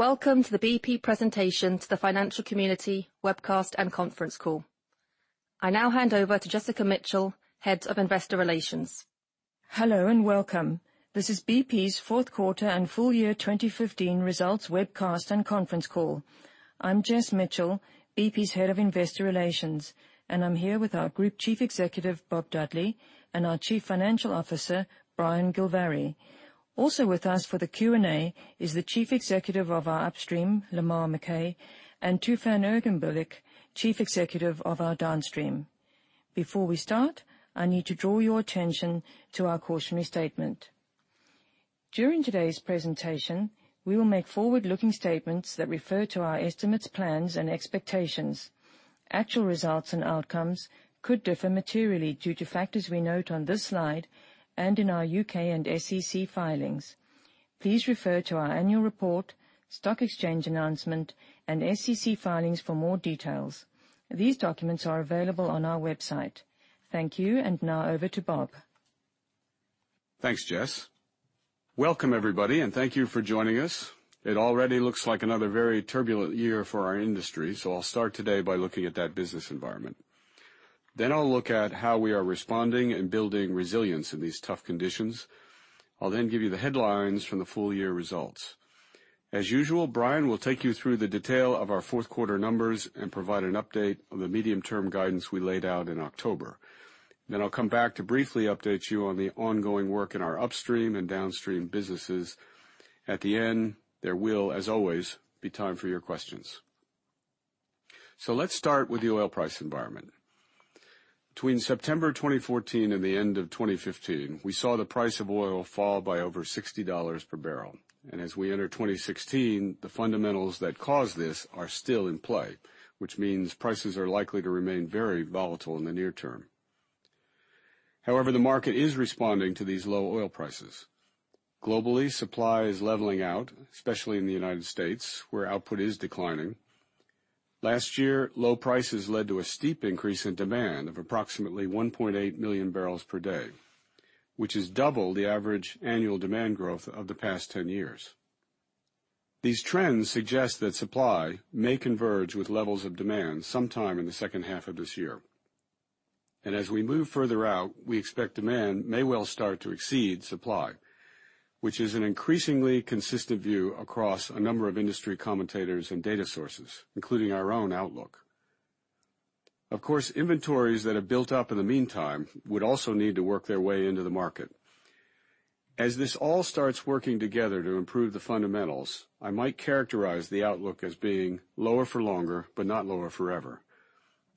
Welcome to the BP presentation to the financial community webcast and conference call. I now hand over to Jessica Mitchell, Head of Investor Relations. Hello, welcome. This is BP's fourth quarter and full year 2015 results webcast and conference call. I'm Jess Mitchell, BP's Head of Investor Relations, I'm here with our Group Chief Executive, Bob Dudley, and our Chief Financial Officer, Brian Gilvary. Also with us for the Q&A is the Chief Executive of our Upstream, Lamar McKay, and Tufan Erginbilgic, Chief Executive of our Downstream. Before we start, I need to draw your attention to our cautionary statement. During today's presentation, we will make forward-looking statements that refer to our estimates, plans, and expectations. Actual results and outcomes could differ materially due to factors we note on this slide and in our U.K. and SEC filings. Please refer to our annual report, stock exchange announcement, and SEC filings for more details. These documents are available on our website. Thank you, now over to Bob. Thanks, Jess. Welcome everybody, thank you for joining us. It already looks like another very turbulent year for our industry, I'll start today by looking at that business environment. I'll then look at how we are responding and building resilience in these tough conditions. I'll then give you the headlines from the full-year results. As usual, Brian will take you through the detail of our fourth quarter numbers and provide an update on the medium-term guidance we laid out in October. I'll then come back to briefly update you on the ongoing work in our Upstream and Downstream businesses. At the end, there will, as always, be time for your questions. Let's start with the oil price environment. Between September 2014 and the end of 2015, we saw the price of oil fall by over $60 per barrel. However, as we enter 2016, the fundamentals that caused this are still in play, which means prices are likely to remain very volatile in the near term. However, the market is responding to these low oil prices. Globally, supply is leveling out, especially in the United States, where output is declining. Last year, low prices led to a steep increase in demand of approximately 1.8 million barrels per day, which is double the average annual demand growth of the past 10 years. These trends suggest that supply may converge with levels of demand sometime in the second half of this year. As we move further out, we expect demand may well start to exceed supply, which is an increasingly consistent view across a number of industry commentators and data sources, including our own Energy Outlook. Of course, inventories that have built up in the meantime would also need to work their way into the market. As this all starts working together to improve the fundamentals, I might characterize the outlook as being lower for longer, but not lower forever.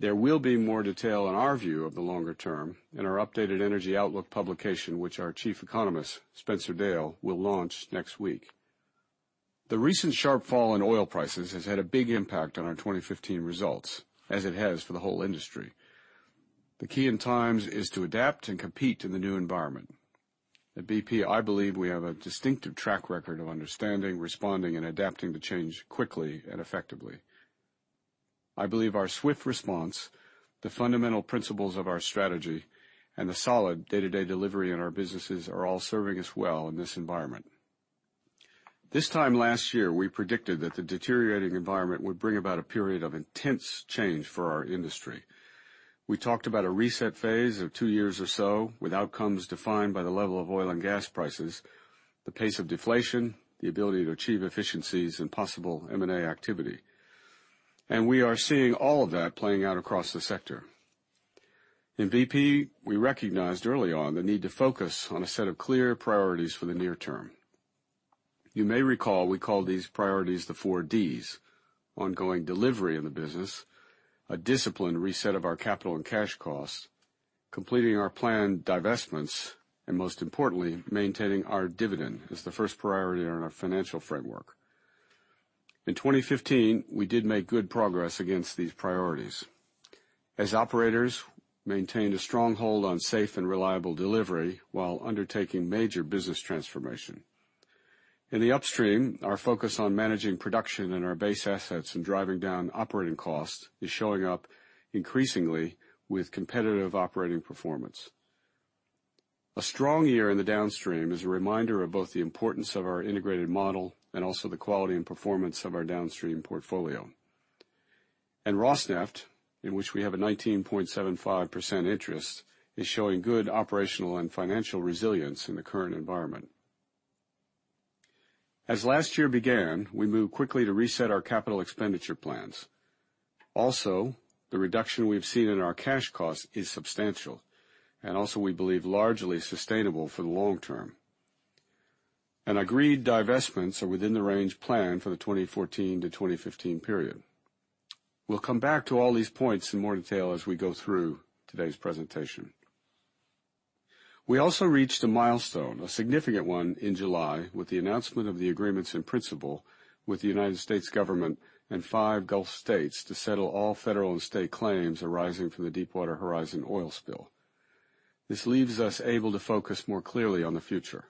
There will be more detail on our view of the longer term in our updated Energy Outlook publication, which our chief economist, Spencer Dale, will launch next week. The recent sharp fall in oil prices has had a big impact on our 2015 results, as it has for the whole industry. The key in times is to adapt and compete in the new environment. At BP, I believe we have a distinctive track record of understanding, responding, and adapting to change quickly and effectively. I believe our swift response, the fundamental principles of our strategy, and the solid day-to-day delivery in our businesses are all serving us well in this environment. This time last year, we predicted that the deteriorating environment would bring about a period of intense change for our industry. We talked about a reset phase of two years or so, with outcomes defined by the level of oil and gas prices, the pace of deflation, the ability to achieve efficiencies, and possible M&A activity. We are seeing all of that playing out across the sector. In BP, we recognized early on the need to focus on a set of clear priorities for the near term. You may recall, we called these priorities the four Ds: ongoing delivery of the business, a disciplined reset of our capital and cash costs, completing our planned divestments, and most importantly, maintaining our dividend as the first priority in our financial framework. In 2015, we did make good progress against these priorities. As operators maintained a stronghold on safe and reliable delivery while undertaking major business transformation. In the upstream, our focus on managing production in our base assets and driving down operating costs is showing up increasingly with competitive operating performance. A strong year in the downstream is a reminder of both the importance of our integrated model and also the quality and performance of our downstream portfolio. Rosneft, in which we have a 19.75% interest, is showing good operational and financial resilience in the current environment. As last year began, we moved quickly to reset our capital expenditure plans. Also, the reduction we've seen in our cash costs is substantial, and also, we believe, largely sustainable for the long term. Agreed divestments are within the range planned for the 2014 to 2015 period. We'll come back to all these points in more detail as we go through today's presentation. We also reached a milestone, a significant one, in July with the announcement of the agreements in principle with the U.S. government and five Gulf states to settle all federal and state claims arising from the Deepwater Horizon oil spill. This leaves us able to focus more clearly on the future.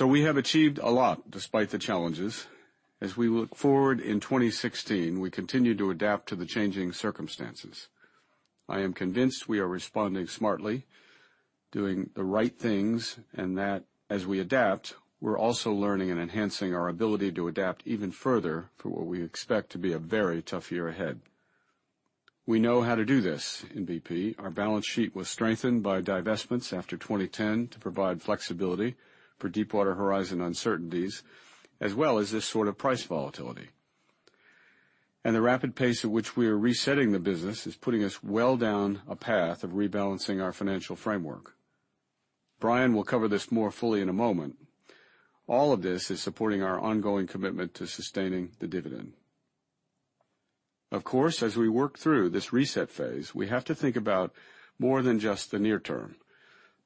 We have achieved a lot despite the challenges. As we look forward in 2016, we continue to adapt to the changing circumstances. I am convinced we are responding smartly, doing the right things, and that as we adapt, we're also learning and enhancing our ability to adapt even further for what we expect to be a very tough year ahead. We know how to do this in BP. Our balance sheet was strengthened by divestments after 2010 to provide flexibility for Deepwater Horizon uncertainties, as well as this sort of price volatility. The rapid pace at which we are resetting the business is putting us well down a path of rebalancing our financial framework. Brian will cover this more fully in a moment. All of this is supporting our ongoing commitment to sustaining the dividend. Of course, as we work through this reset phase, we have to think about more than just the near term.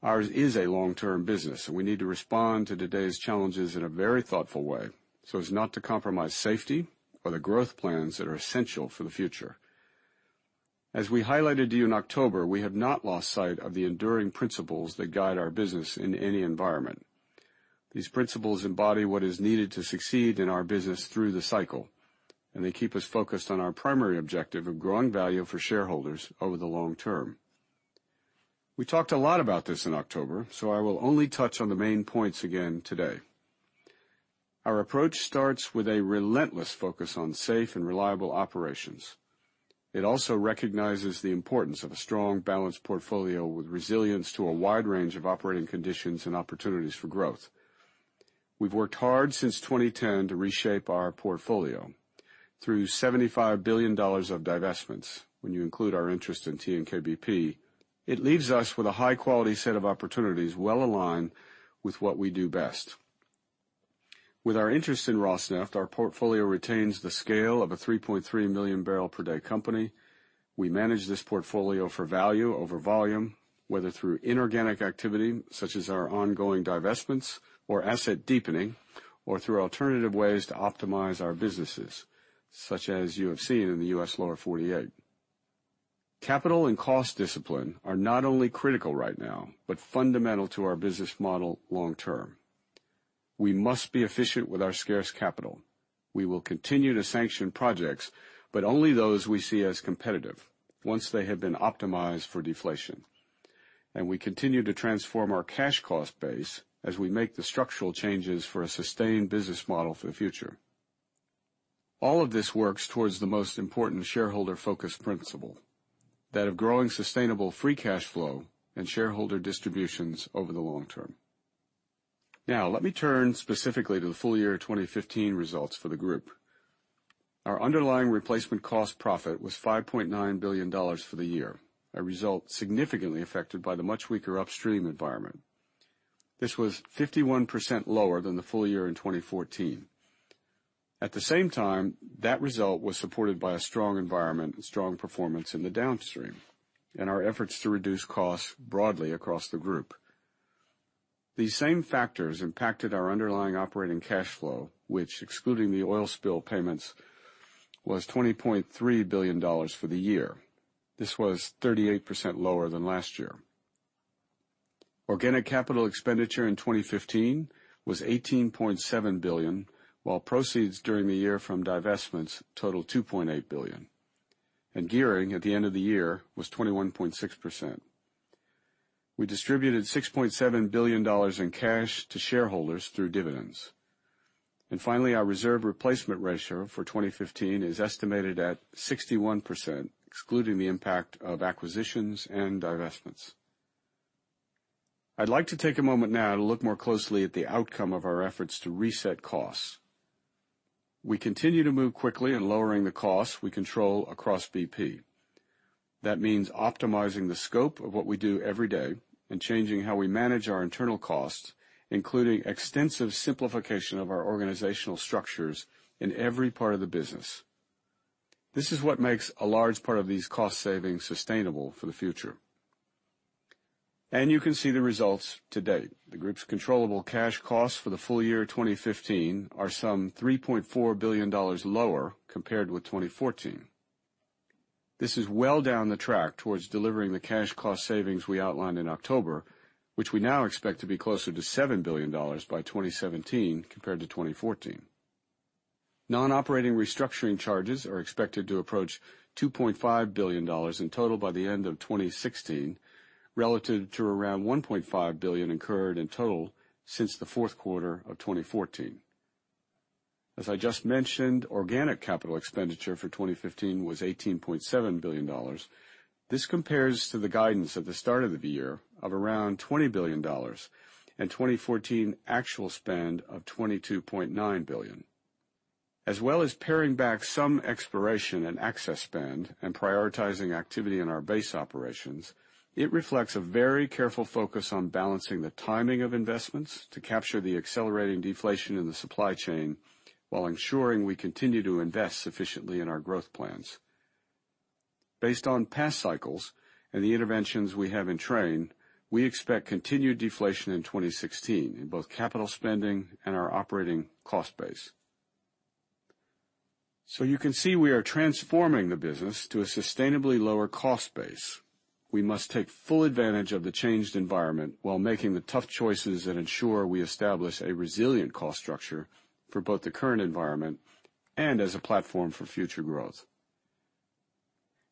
Ours is a long-term business, we need to respond to today's challenges in a very thoughtful way so as not to compromise safety or the growth plans that are essential for the future. As we highlighted to you in October, we have not lost sight of the enduring principles that guide our business in any environment. These principles embody what is needed to succeed in our business through the cycle, they keep us focused on our primary objective of growing value for shareholders over the long term. We talked a lot about this in October, I will only touch on the main points again today. Our approach starts with a relentless focus on safe and reliable operations. It also recognizes the importance of a strong, balanced portfolio with resilience to a wide range of operating conditions and opportunities for growth. We've worked hard since 2010 to reshape our portfolio through GBP 75 billion of divestments, when you include our interest in TNK-BP. It leaves us with a high-quality set of opportunities well aligned with what we do best. With our interest in Rosneft, our portfolio retains the scale of a 3.3 million barrel per day company. We manage this portfolio for value over volume, whether through inorganic activity, such as our ongoing divestments or asset deepening, or through alternative ways to optimize our businesses, such as you have seen in the U.S. Lower 48. Capital and cost discipline are not only critical right now, but fundamental to our business model long term. We must be efficient with our scarce capital. We will continue to sanction projects, but only those we see as competitive once they have been optimized for deflation. We continue to transform our cash cost base as we make the structural changes for a sustained business model for the future. All of this works towards the most important shareholder-focused principle, that of growing sustainable free cash flow and shareholder distributions over the long term. Let me turn specifically to the full year 2015 results for the group. Our underlying replacement cost profit was $5.9 billion for the year, a result significantly affected by the much weaker upstream environment. This was 51% lower than the full year in 2014. At the same time, that result was supported by a strong environment and strong performance in the downstream and our efforts to reduce costs broadly across the group. These same factors impacted our underlying operating cash flow, which excluding the oil spill payments, was $20.3 billion for the year. This was 38% lower than last year. Organic capital expenditure in 2015 was $18.7 billion, while proceeds during the year from divestments totaled $2.8 billion, and gearing at the end of the year was 21.6%. We distributed $6.7 billion in cash to shareholders through dividends. Finally, our reserve replacement ratio for 2015 is estimated at 61%, excluding the impact of acquisitions and divestments. I'd like to take a moment now to look more closely at the outcome of our efforts to reset costs. We continue to move quickly in lowering the costs we control across BP. That means optimizing the scope of what we do every day and changing how we manage our internal costs, including extensive simplification of our organizational structures in every part of the business. This is what makes a large part of these cost savings sustainable for the future. You can see the results to date. The group's controllable cash costs for the full year 2015 are some $3.4 billion lower compared with 2014. This is well down the track towards delivering the cash cost savings we outlined in October, which we now expect to be closer to $7 billion by 2017 compared to 2014. Non-operating restructuring charges are expected to approach $2.5 billion in total by the end of 2016, relative to around $1.5 billion incurred in total since the fourth quarter of 2014. As I just mentioned, organic capital expenditure for 2015 was $18.7 billion. This compares to the guidance at the start of the year of around $20 billion and 2014 actual spend of $22.9 billion. As well as paring back some exploration and access spend and prioritizing activity in our base operations, it reflects a very careful focus on balancing the timing of investments to capture the accelerating deflation in the supply chain while ensuring we continue to invest sufficiently in our growth plans. Based on past cycles and the interventions we have in train, we expect continued deflation in 2016 in both capital spending and our operating cost base. You can see we are transforming the business to a sustainably lower cost base. We must take full advantage of the changed environment while making the tough choices that ensure we establish a resilient cost structure for both the current environment and as a platform for future growth.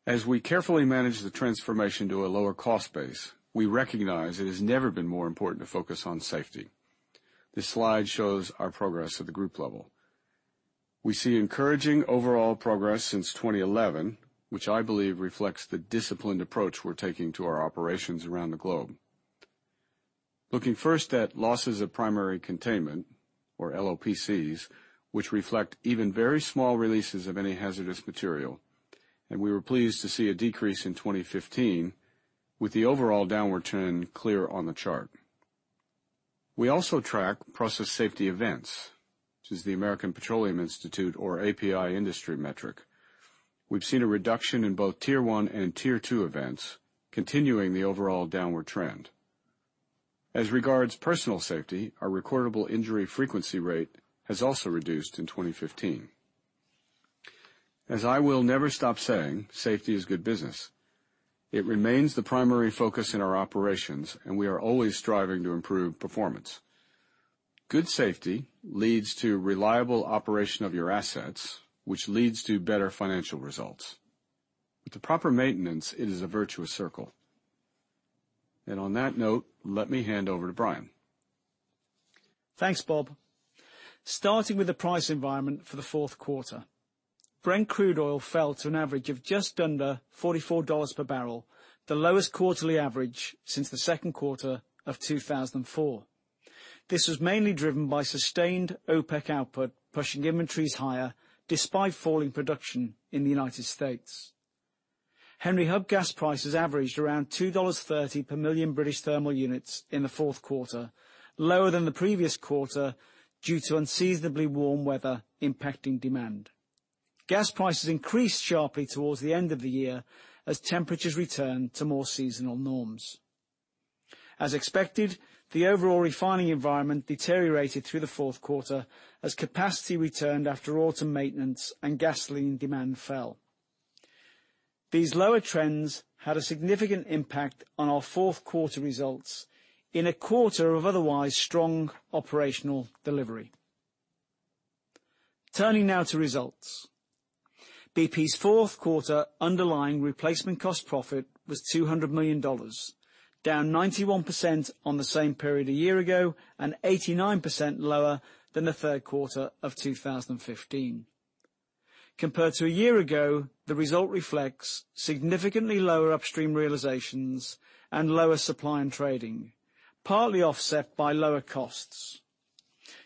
As we carefully manage the transformation to a lower cost base, we recognize it has never been more important to focus on safety. This slide shows our progress at the group level. We see encouraging overall progress since 2011, which I believe reflects the disciplined approach we're taking to our operations around the globe. Looking first at losses of primary containment, or LOPC, which reflect even very small releases of any hazardous material, we were pleased to see a decrease in 2015 with the overall downward turn clear on the chart. We also track process safety events, which is the American Petroleum Institute or API industry metric. We've seen a reduction in both tier 1 and tier 2 events, continuing the overall downward trend. As regards personal safety, our recordable injury frequency rate has also reduced in 2015. As I will never stop saying, safety is good business. It remains the primary focus in our operations, we are always striving to improve performance. Good safety leads to reliable operation of your assets, which leads to better financial results. With the proper maintenance, it is a virtuous circle. On that note, let me hand over to Brian. Thanks, Bob. Starting with the price environment for the fourth quarter. Brent crude oil fell to an average of just under $44 per barrel, the lowest quarterly average since the second quarter of 2004. This was mainly driven by sustained OPEC output, pushing inventories higher despite falling production in the U.S. Henry Hub gas prices averaged around $2.30 per million British thermal units in the fourth quarter, lower than the previous quarter due to unseasonably warm weather impacting demand. Gas prices increased sharply towards the end of the year as temperatures returned to more seasonal norms. As expected, the overall refining environment deteriorated through the fourth quarter as capacity returned after autumn maintenance and gasoline demand fell. These lower trends had a significant impact on our fourth quarter results in a quarter of otherwise strong operational delivery. Turning now to results. BP's fourth quarter underlying replacement cost profit was $200 million, down 91% on the same period a year ago and 89% lower than the third quarter of 2015. Compared to a year ago, the result reflects significantly lower upstream realizations and lower supply and trading, partly offset by lower costs.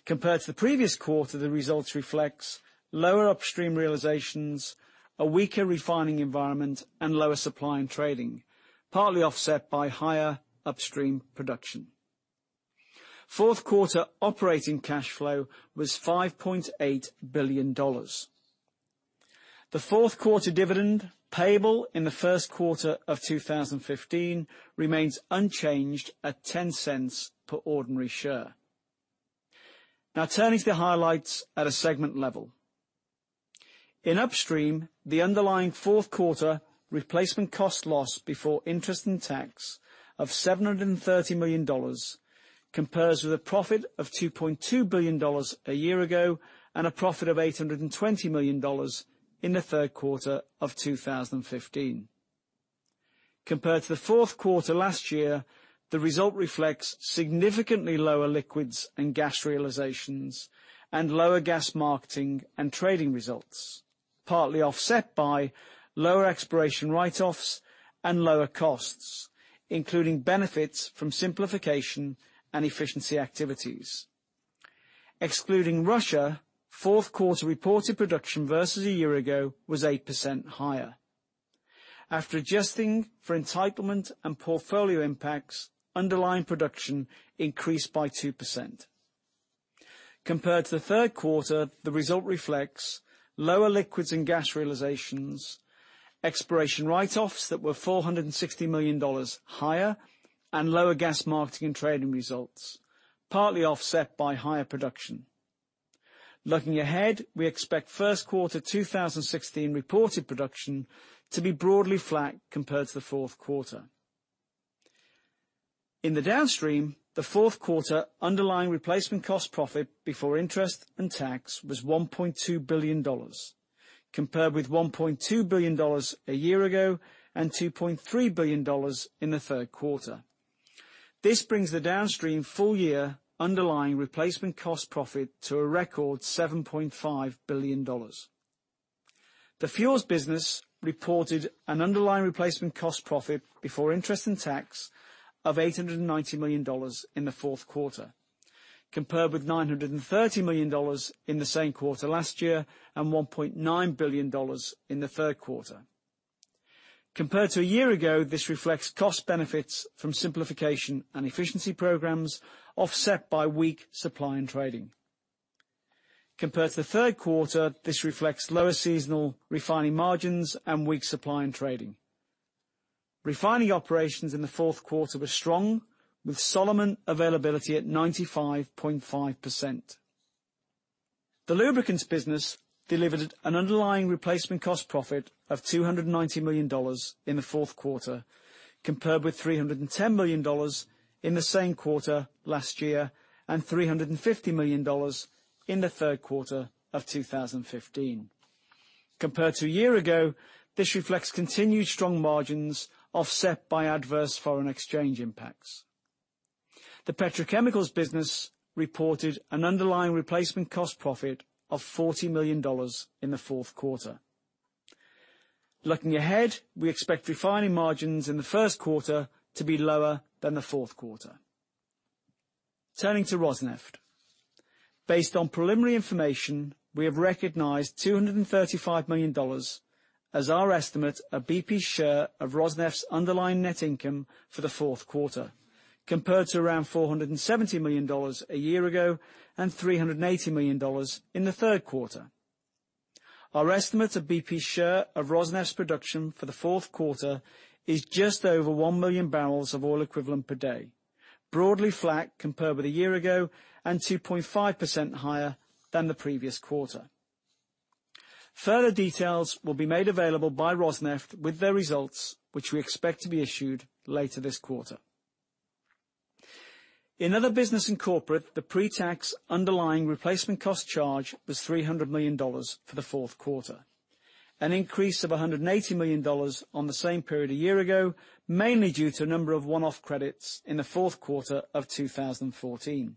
Compared to the previous quarter, the results reflects lower upstream realizations, a weaker refining environment, and lower supply and trading, partly offset by higher upstream production. Fourth quarter operating cash flow was $5.8 billion. The fourth quarter dividend payable in the first quarter of 2015 remains unchanged at $0.10 per ordinary share. Now turning to the highlights at a segment level. In upstream, the underlying fourth quarter replacement cost loss before interest and tax of $730 million compares with a profit of $2.2 billion a year ago and a profit of $820 million in the third quarter of 2015. Compared to the fourth quarter last year, the result reflects significantly lower liquids and gas realizations and lower gas marketing and trading results, partly offset by lower exploration write-offs and lower costs, including benefits from simplification and efficiency activities. Excluding Russia, fourth quarter reported production versus a year ago was 8% higher. After adjusting for entitlement and portfolio impacts, underlying production increased by 2%. Compared to the third quarter, the result reflects lower liquids and gas realizations, exploration write-offs that were $460 million higher, lower gas marketing and trading results, partly offset by higher production. Looking ahead, we expect first quarter 2016 reported production to be broadly flat compared to the fourth quarter. In the downstream, the fourth quarter underlying replacement cost profit before interest and tax was $1.2 billion, compared with $1.2 billion a year ago and $2.3 billion in the third quarter. This brings the Downstream full year underlying replacement cost profit to a record $7.5 billion. The fuels business reported an underlying replacement cost profit before interest and tax of $890 million in the fourth quarter, compared with $930 million in the same quarter last year and $1.9 billion in the third quarter. Compared to a year ago, this reflects cost benefits from simplification and efficiency programs offset by weak supply and trading. Compared to the third quarter, this reflects lower seasonal refining margins and weak supply and trading. Refining operations in the fourth quarter were strong, with Solomon availability at 95.5%. The lubricants business delivered an underlying replacement cost profit of $290 million in the fourth quarter, compared with $310 million in the same quarter last year, and $350 million in the third quarter of 2015. Compared to a year ago, this reflects continued strong margins offset by adverse foreign exchange impacts. The petrochemicals business reported an underlying replacement cost profit of $40 million in the fourth quarter. Looking ahead, we expect refining margins in the first quarter to be lower than the fourth quarter. Turning to Rosneft. Based on preliminary information, we have recognized $235 million as our estimate of BP's share of Rosneft's underlying net income for the fourth quarter, compared to around $470 million a year ago and $380 million in the third quarter. Our estimate of BP's share of Rosneft's production for the fourth quarter is just over 1 million barrels of oil equivalent per day, broadly flat compared with a year ago and 2.5% higher than the previous quarter. Further details will be made available by Rosneft with their results, which we expect to be issued later this quarter. In other business in corporate, the pre-tax underlying replacement cost charge was $300 million for the fourth quarter, an increase of $180 million on the same period a year ago, mainly due to a number of one-off credits in the fourth quarter of 2014.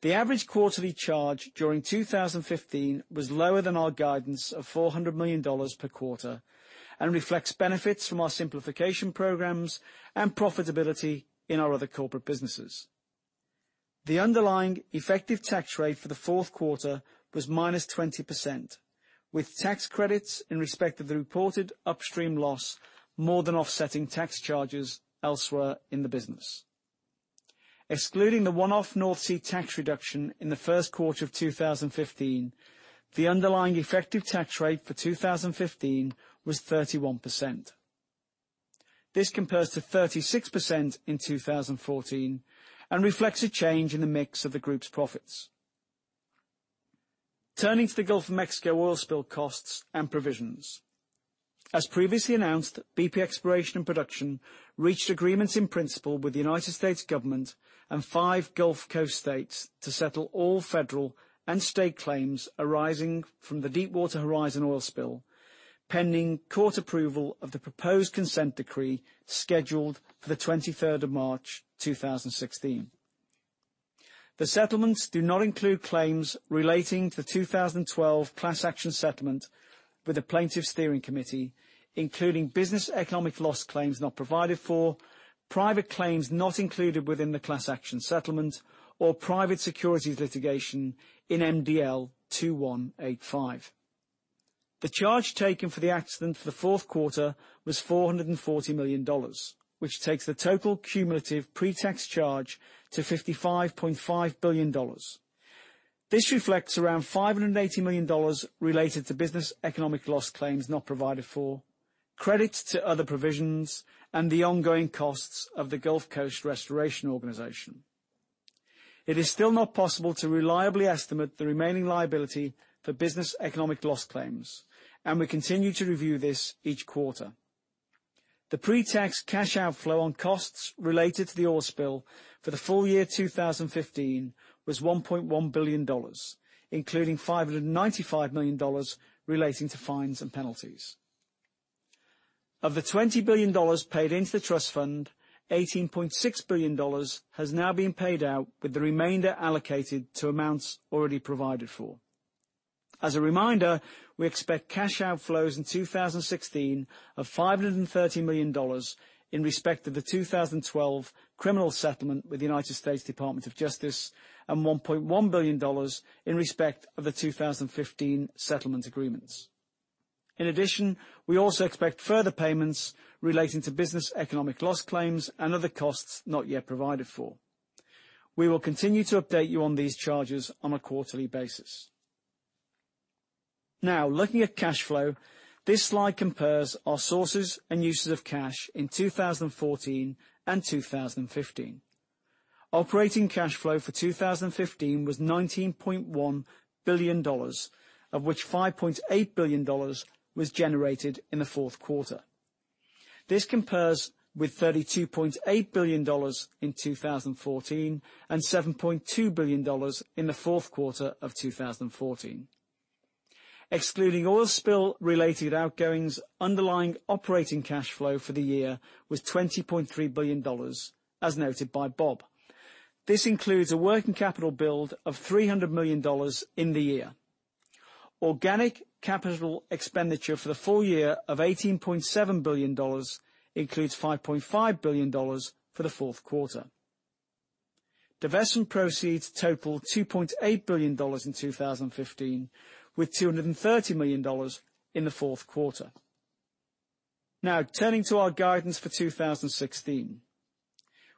The average quarterly charge during 2015 was lower than our guidance of $400 million per quarter and reflects benefits from our simplification programs and profitability in our other corporate businesses. The underlying effective tax rate for the fourth quarter was minus 20%, with tax credits in respect of the reported Upstream loss more than offsetting tax charges elsewhere in the business. Excluding the one-off North Sea tax reduction in the first quarter of 2015, the underlying effective tax rate for 2015 was 31%. This compares to 36% in 2014 and reflects a change in the mix of the group's profits. Turning to the Gulf of Mexico oil spill costs and provisions. As previously announced, BP Exploration & Production reached agreements in principle with the United States government and five Gulf Coast states to settle all federal and state claims arising from the Deepwater Horizon oil spill, pending court approval of the proposed consent decree scheduled for the 23rd of March 2016. The settlements do not include claims relating to the 2012 class action settlement with the Plaintiffs' Steering Committee, including business economic loss claims not provided for, private claims not included within the class action settlement, or private securities litigation in MDL 2185. The charge taken for the accident for the fourth quarter was $440 million, which takes the total cumulative pre-tax charge to $55.5 billion. This reflects around $580 million related to business economic loss claims not provided for, credits to other provisions, and the ongoing costs of the Gulf Coast Restoration Organization. It is still not possible to reliably estimate the remaining liability for business economic loss claims, and we continue to review this each quarter. The pre-tax cash outflow on costs related to the oil spill for the full year 2015 was $1.1 billion, including $595 million relating to fines and penalties. Of the $20 billion paid into the trust fund, $18.6 billion has now been paid out with the remainder allocated to amounts already provided for. As a reminder, we expect cash outflows in 2016 of $530 million in respect of the 2012 criminal settlement with the United States Department of Justice and $1.1 billion in respect of the 2015 settlement agreements. In addition, we also expect further payments relating to business economic loss claims and other costs not yet provided for. We will continue to update you on these charges on a quarterly basis. Now, looking at cash flow, this slide compares our sources and uses of cash in 2014 and 2015. Operating cash flow for 2015 was $19.1 billion, of which $5.8 billion was generated in the fourth quarter. This compares with $32.8 billion in 2014 and $7.2 billion in the fourth quarter of 2014. Excluding oil spill related outgoings, underlying operating cash flow for the year was $20.3 billion, as noted by Bob. This includes a working capital build of $300 million in the year. Organic capital expenditure for the full year of $18.7 billion includes $5.5 billion for the fourth quarter. Divestment proceeds total $2.8 billion in 2015, with $230 million in the fourth quarter. Now turning to our guidance for 2016.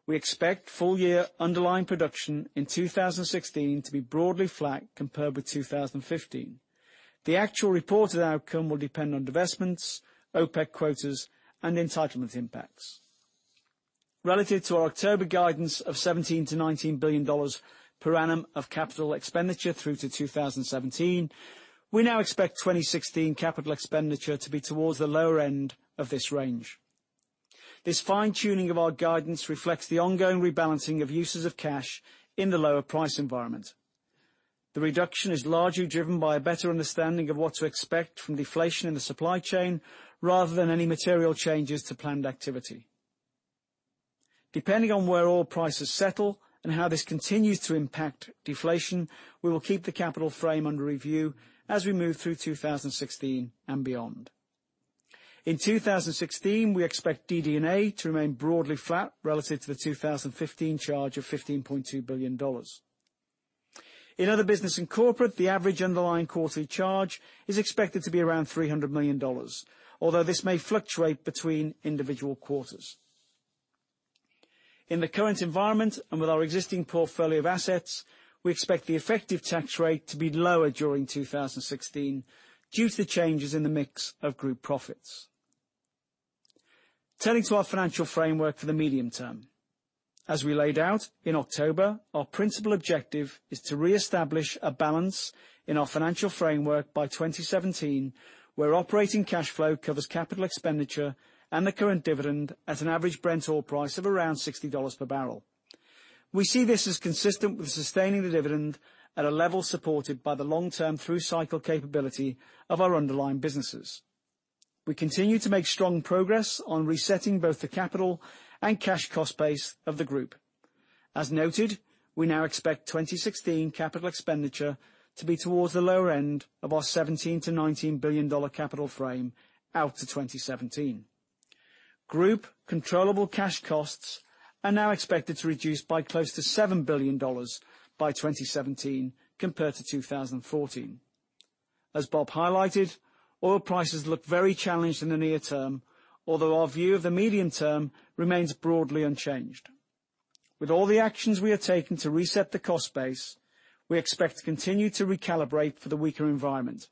We expect full-year underlying production in 2016 to be broadly flat compared with 2015. The actual reported outcome will depend on divestments, OPEC quotas, and entitlement impacts. Relative to our October guidance of $17 billion-$19 billion per annum of capital expenditure through to 2017, we now expect 2016 capital expenditure to be towards the lower end of this range. This fine-tuning of our guidance reflects the ongoing rebalancing of uses of cash in the lower price environment. The reduction is largely driven by a better understanding of what to expect from deflation in the supply chain rather than any material changes to planned activity. Depending on where oil prices settle and how this continues to impact deflation, we will keep the capital frame under review as we move through 2016 and beyond. In 2016, we expect DD&A to remain broadly flat relative to the 2015 charge of $15.2 billion. In other business and corporate, the average underlying quarterly charge is expected to be around $300 million, although this may fluctuate between individual quarters. In the current environment, and with our existing portfolio of assets, we expect the effective tax rate to be lower during 2016 due to the changes in the mix of group profits. Turning to our financial framework for the medium term. As we laid out in October, our principal objective is to reestablish a balance in our financial framework by 2017, where operating cash flow covers capital expenditure and the current dividend at an average Brent oil price of around $60 per barrel. We see this as consistent with sustaining the dividend at a level supported by the long-term through-cycle capability of our underlying businesses. We continue to make strong progress on resetting both the capital and cash cost base of the group. As noted, we now expect 2016 capital expenditure to be towards the lower end of our $17 billion-$19 billion capital frame out to 2017. Group controllable cash costs are now expected to reduce by close to $7 billion by 2017 compared to 2014. As Bob highlighted, oil prices look very challenged in the near term, although our view of the medium term remains broadly unchanged. With all the actions we are taking to reset the cost base, we expect to continue to recalibrate for the weaker environment,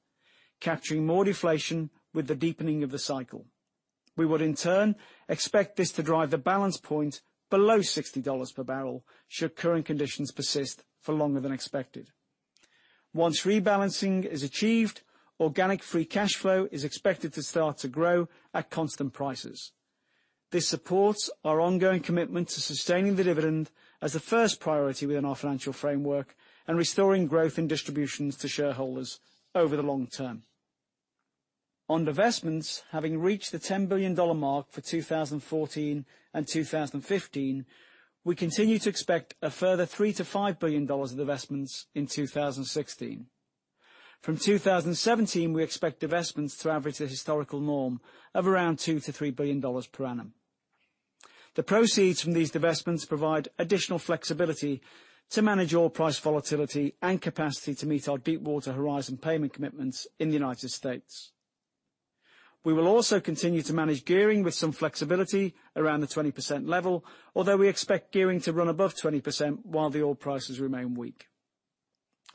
capturing more deflation with the deepening of the cycle. We would, in turn, expect this to drive the balance point below $60 per barrel should current conditions persist for longer than expected. Once rebalancing is achieved, organic free cash flow is expected to start to grow at constant prices. This supports our ongoing commitment to sustaining the dividend as the first priority within our financial framework and restoring growth in distributions to shareholders over the long term. On divestments having reached the $10 billion mark for 2014 and 2015, we continue to expect a further $3 billion-$5 billion of investments in 2016. From 2017, we expect divestments to average the historical norm of around $2 billion-$3 billion per annum. The proceeds from these divestments provide additional flexibility to manage oil price volatility and capacity to meet our Deepwater Horizon payment commitments in the U.S. We will also continue to manage gearing with some flexibility around the 20% level, although we expect gearing to run above 20% while the oil prices remain weak.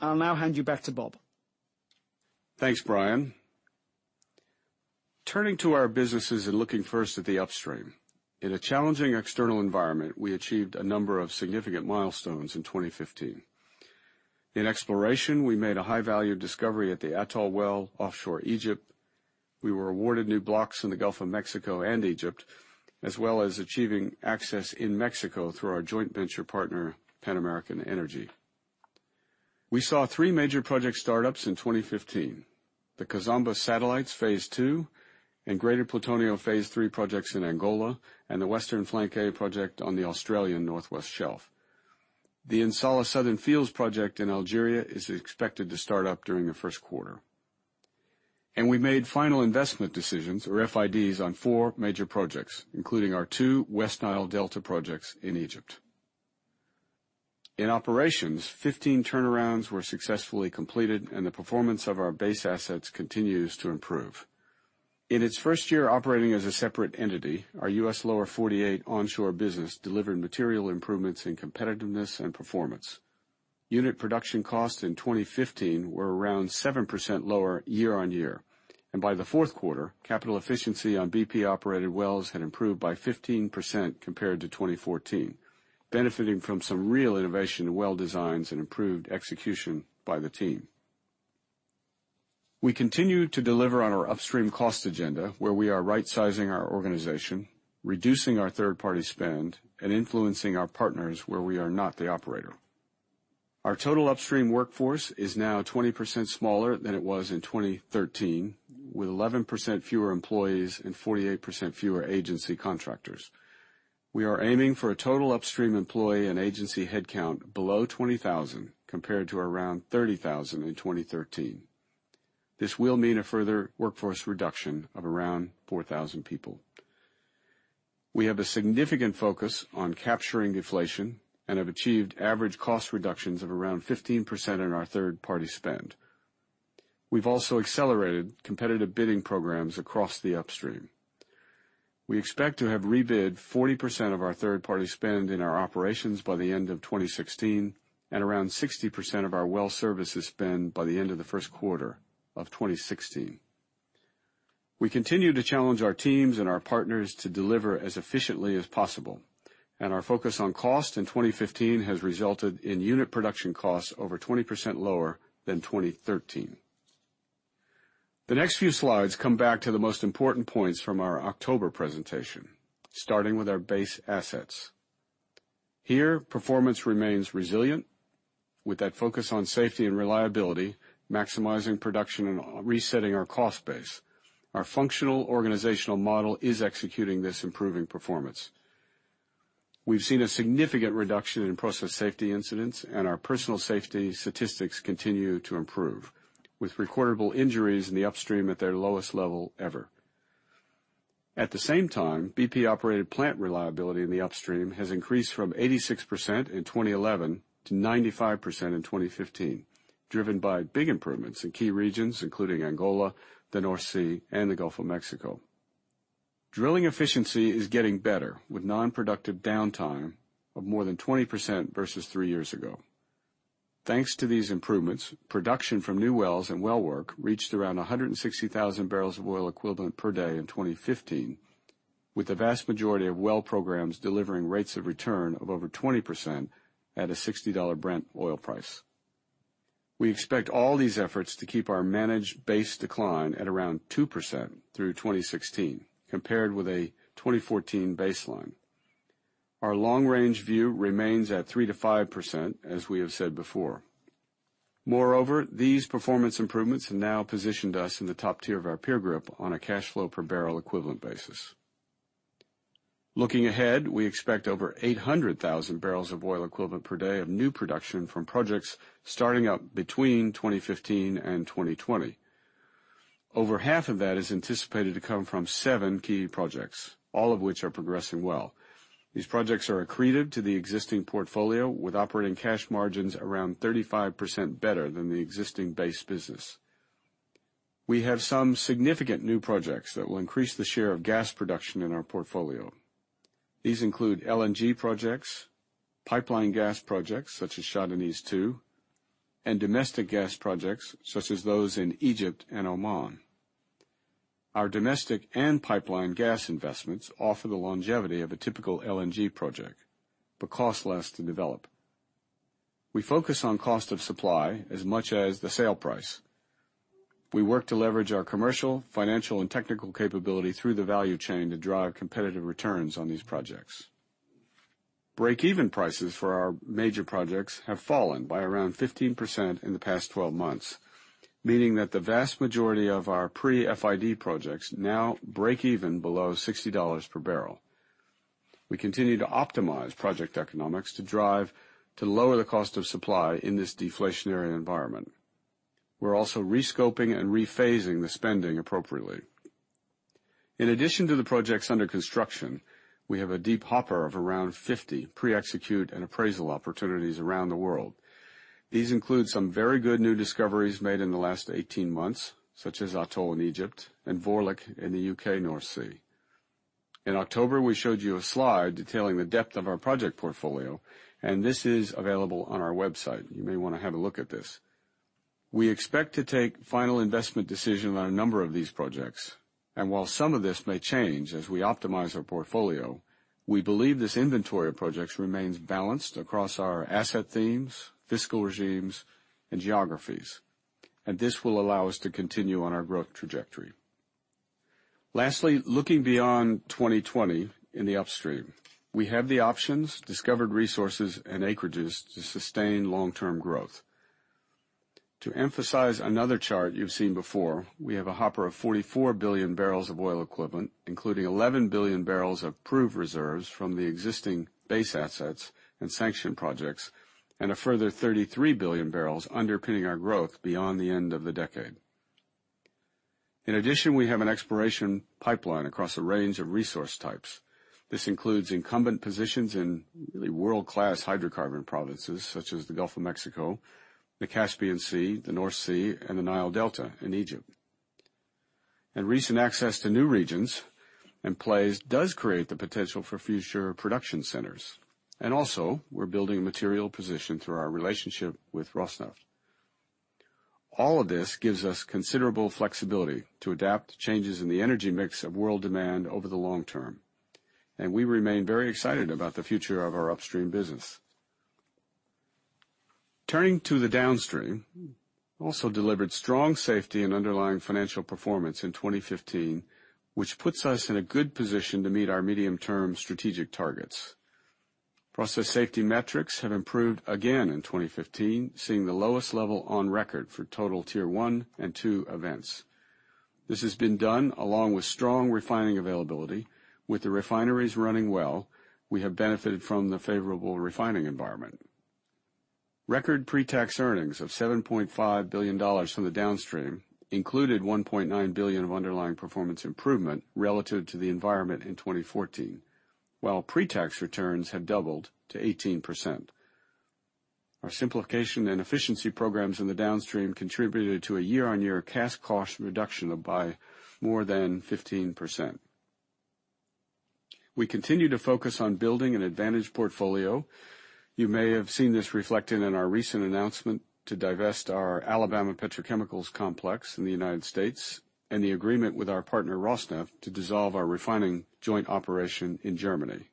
I'll now hand you back to Bob. Thanks, Brian. Turning to our businesses and looking first at the upstream. In a challenging external environment, we achieved a number of significant milestones in 2015. In exploration, we made a high-value discovery at the Atoll well offshore Egypt. We were awarded new blocks in the Gulf of Mexico and Egypt, as well as achieving access in Mexico through our joint venture partner, Pan American Energy. We saw three major project startups in 2015. The Kizomba Satellites Phase 2 and Greater Plutonio Phase III projects in Angola and the Western Flank A project on the Australian Northwest Shelf. The In Salah Southern Fields project in Algeria is expected to start up during the first quarter. We made final investment decisions or FIDs on four major projects, including our two West Nile Delta projects in Egypt. In operations, 15 turnarounds were successfully completed, and the performance of our base assets continues to improve. In its first year operating as a separate entity, our U.S. Lower 48 onshore business delivered material improvements in competitiveness and performance. Unit production costs in 2015 were around 7% lower year-on-year, and by the fourth quarter, capital efficiency on BP-operated wells had improved by 15% compared to 2014, benefiting from some real innovation in well designs and improved execution by the team. We continue to deliver on our upstream cost agenda, where we are right-sizing our organization, reducing our third-party spend, and influencing our partners where we are not the operator. Our total upstream workforce is now 20% smaller than it was in 2013, with 11% fewer employees and 48% fewer agency contractors. We are aiming for a total upstream employee and agency headcount below 20,000 compared to around 30,000 in 2013. This will mean a further workforce reduction of around 4,000 people. We have a significant focus on capturing deflation and have achieved average cost reductions of around 15% on our third-party spend. We've also accelerated competitive bidding programs across the upstream. We expect to have rebid 40% of our third-party spend in our operations by the end of 2016, and around 60% of our well services spend by the end of the first quarter of 2016. We continue to challenge our teams and our partners to deliver as efficiently as possible. Our focus on cost in 2015 has resulted in unit production costs over 20% lower than 2013. The next few slides come back to the most important points from our October presentation, starting with our base assets. Here, performance remains resilient, with that focus on safety and reliability, maximizing production, and resetting our cost base. Our functional organizational model is executing this improving performance. We've seen a significant reduction in process safety incidents, and our personal safety statistics continue to improve, with recordable injuries in the upstream at their lowest level ever. At the same time, BP-operated plant reliability in the upstream has increased from 86% in 2011 to 95% in 2015, driven by big improvements in key regions including Angola, the North Sea, and the Gulf of Mexico. Drilling efficiency is getting better, with non-productive downtime of more than 20% versus three years ago. Thanks to these improvements, production from new wells and well work reached around 160,000 barrels of oil equivalent per day in 2015, with the vast majority of well programs delivering rates of return of over 20% at a $60 Brent oil price. We expect all these efforts to keep our managed base decline at around 2% through 2016, compared with a 2014 baseline. Our long-range view remains at 3%-5%, as we have said before. These performance improvements have now positioned us in the top tier of our peer group on a cash flow per barrel equivalent basis. Looking ahead, we expect over 800,000 barrels of oil equivalent per day of new production from projects starting up between 2015 and 2020. Over half of that is anticipated to come from seven key projects, all of which are progressing well. These projects are accretive to the existing portfolio, with operating cash margins around 35% better than the existing base business. We have some significant new projects that will increase the share of gas production in our portfolio. These include LNG projects, pipeline gas projects such as Shah Deniz 2, and domestic gas projects such as those in Egypt and Oman. Our domestic and pipeline gas investments offer the longevity of a typical LNG project, cost less to develop. We focus on cost of supply as much as the sale price. We work to leverage our commercial, financial, and technical capability through the value chain to drive competitive returns on these projects. Breakeven prices for our major projects have fallen by around 15% in the past 12 months, meaning that the vast majority of our pre-FID projects now break even below $60 per barrel. We continue to optimize project economics to drive to lower the cost of supply in this deflationary environment. We're also rescoping and rephasing the spending appropriately. In addition to the projects under construction, we have a deep hopper of around 50 pre-execute and appraisal opportunities around the world. These include some very good new discoveries made in the last 18 months, such as Atoll in Egypt and Vorlich in the U.K. North Sea. In October, we showed you a slide detailing the depth of our project portfolio. This is available on our website. You may want to have a look at this. We expect to take final investment decisions on a number of these projects, and while some of this may change as we optimize our portfolio, we believe this inventory of projects remains balanced across our asset themes, fiscal regimes, and geographies. This will allow us to continue on our growth trajectory. Lastly, looking beyond 2020 in the upstream, we have the options, discovered resources, and acreages to sustain long-term growth. To emphasize another chart you've seen before, we have a hopper of 44 billion barrels of oil equivalent, including 11 billion barrels of proved reserves from the existing base assets and sanctioned projects, and a further 33 billion barrels underpinning our growth beyond the end of the decade. In addition, we have an exploration pipeline across a range of resource types. This includes incumbent positions in really world-class hydrocarbon provinces such as the Gulf of Mexico, the Caspian Sea, the North Sea, and the Nile Delta in Egypt. Recent access to new regions and plays does create the potential for future production centers. Also, we're building a material position through our relationship with Rosneft. This gives us considerable flexibility to adapt to changes in the energy mix of world demand over the long term, and we remain very excited about the future of our upstream business. Turning to the downstream, also delivered strong safety and underlying financial performance in 2015, which puts us in a good position to meet our medium-term strategic targets. Process safety metrics have improved again in 2015, seeing the lowest level on record for total Tier 1 and 2 events. This has been done along with strong refining availability. With the refineries running well, we have benefited from the favorable refining environment. Record pretax earnings of $7.5 billion from the downstream included $1.9 billion of underlying performance improvement relative to the environment in 2014, while pretax returns have doubled to 18%. Our simplification and efficiency programs in the Downstream contributed to a year-on-year cash cost reduction by more than 15%. We continue to focus on building an advantage portfolio. You may have seen this reflected in our recent announcement to divest our Alabama Petrochemicals Complex in the U.S. and the agreement with our partner, Rosneft, to dissolve our refining joint operation in Germany.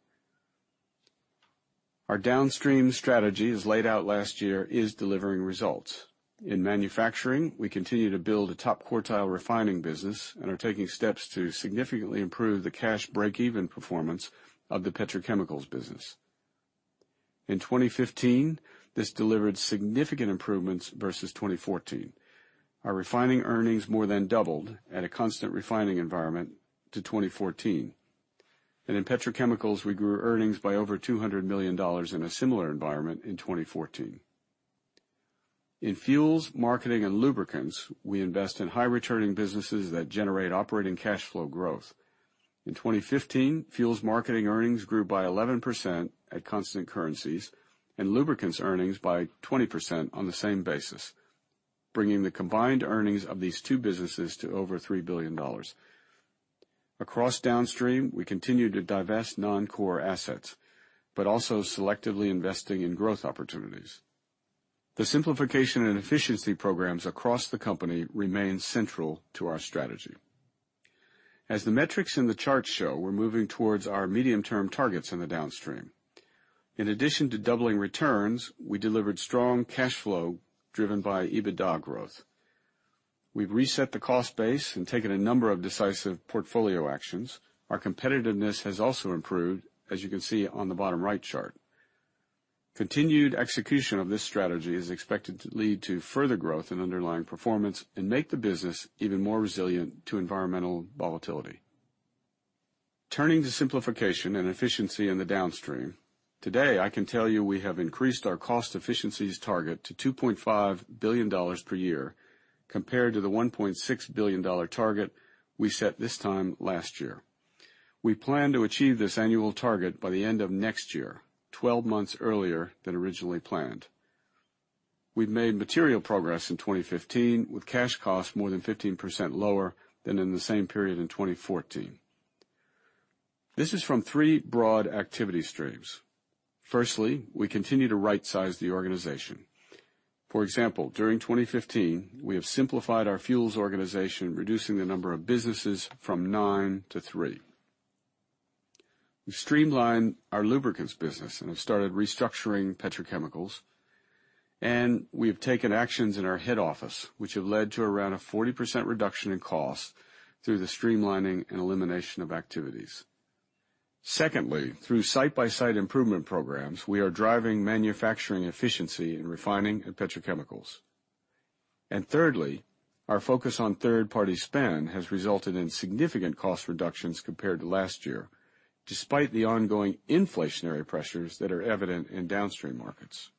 Our Downstream strategy, as laid out last year, is delivering results. In manufacturing, we continue to build a top quartile refining business and are taking steps to significantly improve the cash breakeven performance of the petrochemicals business. In 2015, this delivered significant improvements versus 2014. Our refining earnings more than doubled at a constant refining environment to 2014. In petrochemicals, we grew earnings by over $200 million in a similar environment in 2014. In fuels, marketing, and lubricants, we invest in high-returning businesses that generate operating cash flow growth. In 2015, fuels marketing earnings grew by 11% at constant currencies and lubricants earnings by 20% on the same basis, bringing the combined earnings of these two businesses to over $3 billion. Across Downstream, we continue to divest non-core assets, but also selectively investing in growth opportunities. The simplification and efficiency programs across the company remain central to our strategy. As the metrics in the chart show, we're moving towards our medium-term targets in the Downstream. In addition to doubling returns, we delivered strong cash flow driven by EBITDA growth. We've reset the cost base and taken a number of decisive portfolio actions. Our competitiveness has also improved, as you can see on the bottom right chart. Continued execution of this strategy is expected to lead to further growth in underlying performance and make the business even more resilient to environmental volatility. Turning to simplification and efficiency in the Downstream, today I can tell you we have increased our cost efficiencies target to $2.5 billion per year compared to the $1.6 billion target we set this time last year. We plan to achieve this annual target by the end of next year, 12 months earlier than originally planned. We've made material progress in 2015, with cash costs more than 15% lower than in the same period in 2014. This is from three broad activity streams. Firstly, we continue to rightsize the organization. For example, during 2015, we have simplified our fuels organization, reducing the number of businesses from nine to three. We've streamlined our lubricants business and have started restructuring petrochemicals, and we have taken actions in our head office which have led to around a 40% reduction in costs through the streamlining and elimination of activities. Secondly, through site-by-site improvement programs, we are driving manufacturing efficiency in refining and petrochemicals. Thirdly, our focus on third-party spend has resulted in significant cost reductions compared to last year, despite the ongoing inflationary pressures that are evident in Downstream markets.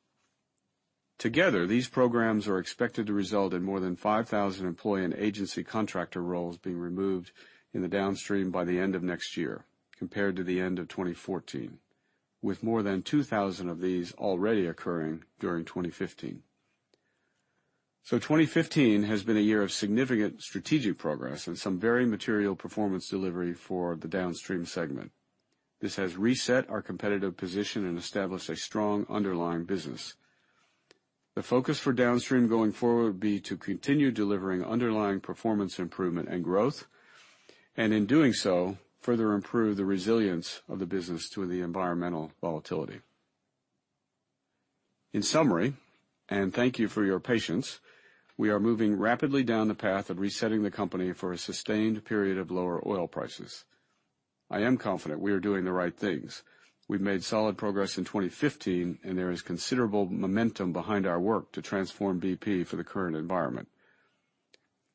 Together, these programs are expected to result in more than 5,000 employee and agency contractor roles being removed in the Downstream by the end of next year compared to the end of 2014, with more than 2,000 of these already occurring during 2015. 2015 has been a year of significant strategic progress and some very material performance delivery for the Downstream segment. This has reset our competitive position and established a strong underlying business. The focus for Downstream going forward will be to continue delivering underlying performance improvement and growth, and in doing so, further improve the resilience of the business to the environmental volatility. In summary, and thank you for your patience, we are moving rapidly down the path of resetting the company for a sustained period of lower oil prices. I am confident we are doing the right things. We've made solid progress in 2015, and there is considerable momentum behind our work to transform BP for the current environment.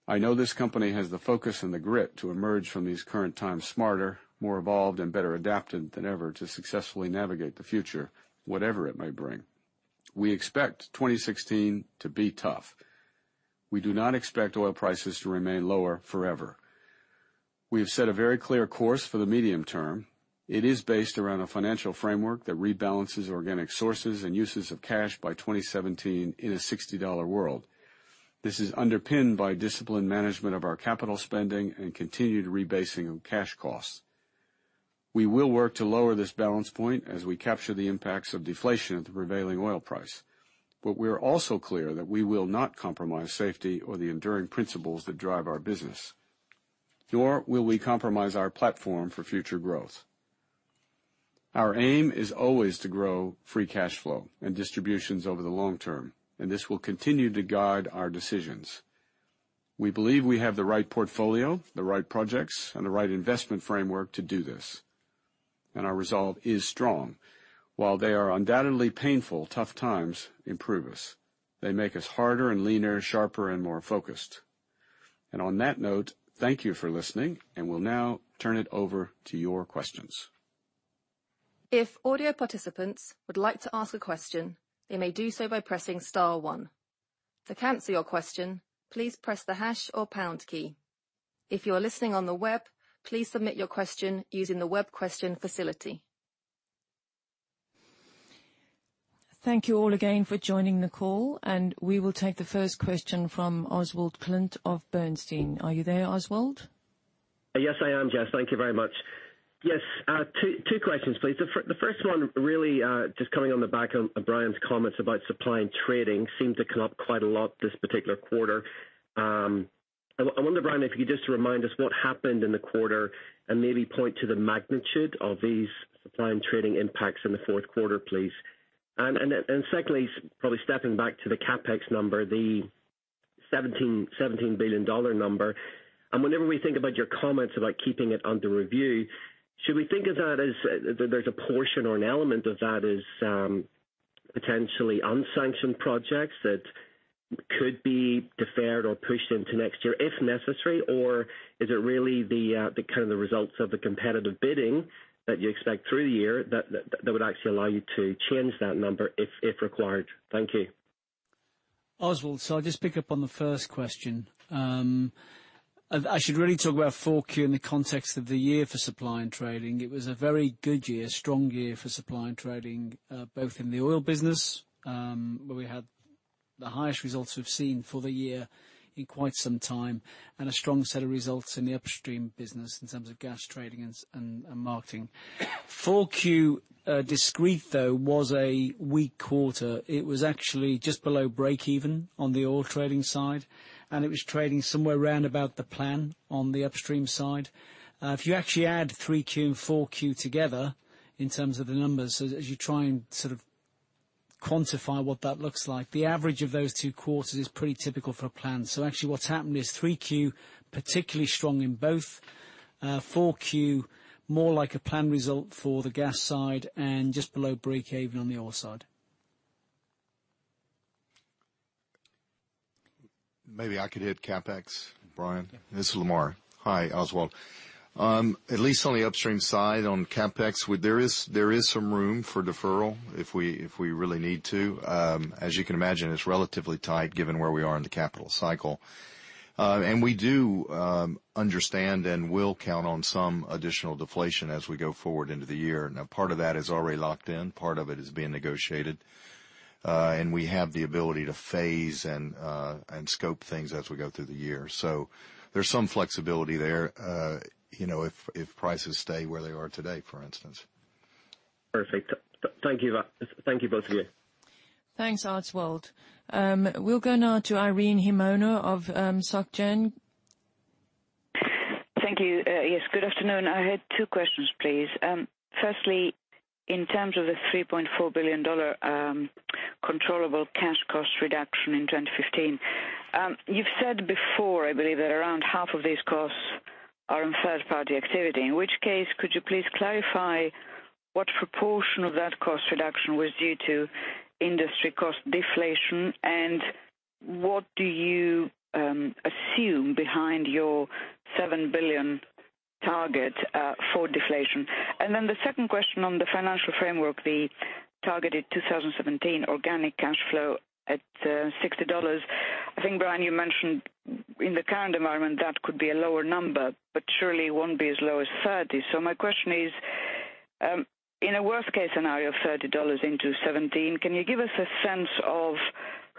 I know this company has the focus and the grit to emerge from these current times smarter, more evolved, and better adapted than ever to successfully navigate the future, whatever it may bring. We expect 2016 to be tough. We do not expect oil prices to remain lower forever. We have set a very clear course for the medium term. It is based around a financial framework that rebalances organic sources and uses of cash by 2017 in a $60 world. This is underpinned by disciplined management of our capital spending and continued rebasing of cash costs. We will work to lower this balance point as we capture the impacts of deflation at the prevailing oil price. We are also clear that we will not compromise safety or the enduring principles that drive our business, nor will we compromise our platform for future growth. Our aim is always to grow free cash flow and distributions over the long term, this will continue to guide our decisions. We believe we have the right portfolio, the right projects, and the right investment framework to do this, our resolve is strong. While they are undoubtedly painful, tough times improve us. They make us harder and leaner, sharper and more focused. On that note, thank you for listening, we'll now turn it over to your questions. If audio participants would like to ask a question, they may do so by pressing star one. To cancel your question, please press the hash or pound key. If you are listening on the web, please submit your question using the web question facility. Thank you all again for joining the call, we will take the first question from Oswald Clint of Bernstein. Are you there, Oswald? Yes, I am, Jess. Thank you very much. Yes, two questions, please. The first one really just coming on the back of Brian's comments about supply and trading seem to come up quite a lot this particular quarter. I wonder, Brian, if you could just remind us what happened in the quarter and maybe point to the magnitude of these supply and trading impacts in the fourth quarter, please. Secondly, probably stepping back to the CapEx number, the $17 billion number. Whenever we think about your comments about keeping it under review, should we think of that as there's a portion or an element of that as potentially unsanctioned projects that could be deferred or pushed into next year if necessary? Is it really the results of the competitive bidding that you expect through the year that would actually allow you to change that number if required? Thank you. Oswald. I'll just pick up on the first question. I should really talk about 4Q in the context of the year for supply and trading. It was a very good year, strong year for supply and trading, both in the oil business, where we had the highest results we've seen for the year in quite some time, and a strong set of results in the upstream business in terms of gas trading and marketing. 4Q discrete, though, was a weak quarter. It was actually just below breakeven on the oil trading side, and it was trading somewhere around about the plan on the upstream side. If you actually add 3Q and 4Q together in terms of the numbers, as you try and sort of quantify what that looks like, the average of those two quarters is pretty typical for a plan. Actually what's happened is 3Q, particularly strong in both, 4Q, more like a plan result for the gas side and just below breakeven on the oil side. Maybe I could hit CapEx, Brian. This is Lamar. Hi, Oswald. At least on the upstream side on CapEx, there is some room for deferral if we really need to. As you can imagine, it's relatively tight given where we are in the capital cycle. We do understand and will count on some additional deflation as we go forward into the year. Now, part of that is already locked in. Part of it is being negotiated. We have the ability to phase and scope things as we go through the year. There's some flexibility there, if prices stay where they are today, for instance. Perfect. Thank you, both of you. Thanks, Oswald. We'll go now to Irene Himona of Société Générale. Thank you. Yes, good afternoon. I had two questions, please. Firstly, in terms of the GBP 3.4 billion controllable cash cost reduction in 2015, you've said before, I believe that around half of these costs are in third-party activity. In which case, could you please clarify what proportion of that cost reduction was due to industry cost deflation, and what do you assume behind your 7 billion target for deflation? The second question on the financial framework, the targeted 2017 organic cash flow at GBP 60. I think, Brian, you mentioned in the current environment, that could be a lower number, but surely it won't be as low as 30. My question is, in a worst case scenario of GBP 30 in 2017, can you give us a sense of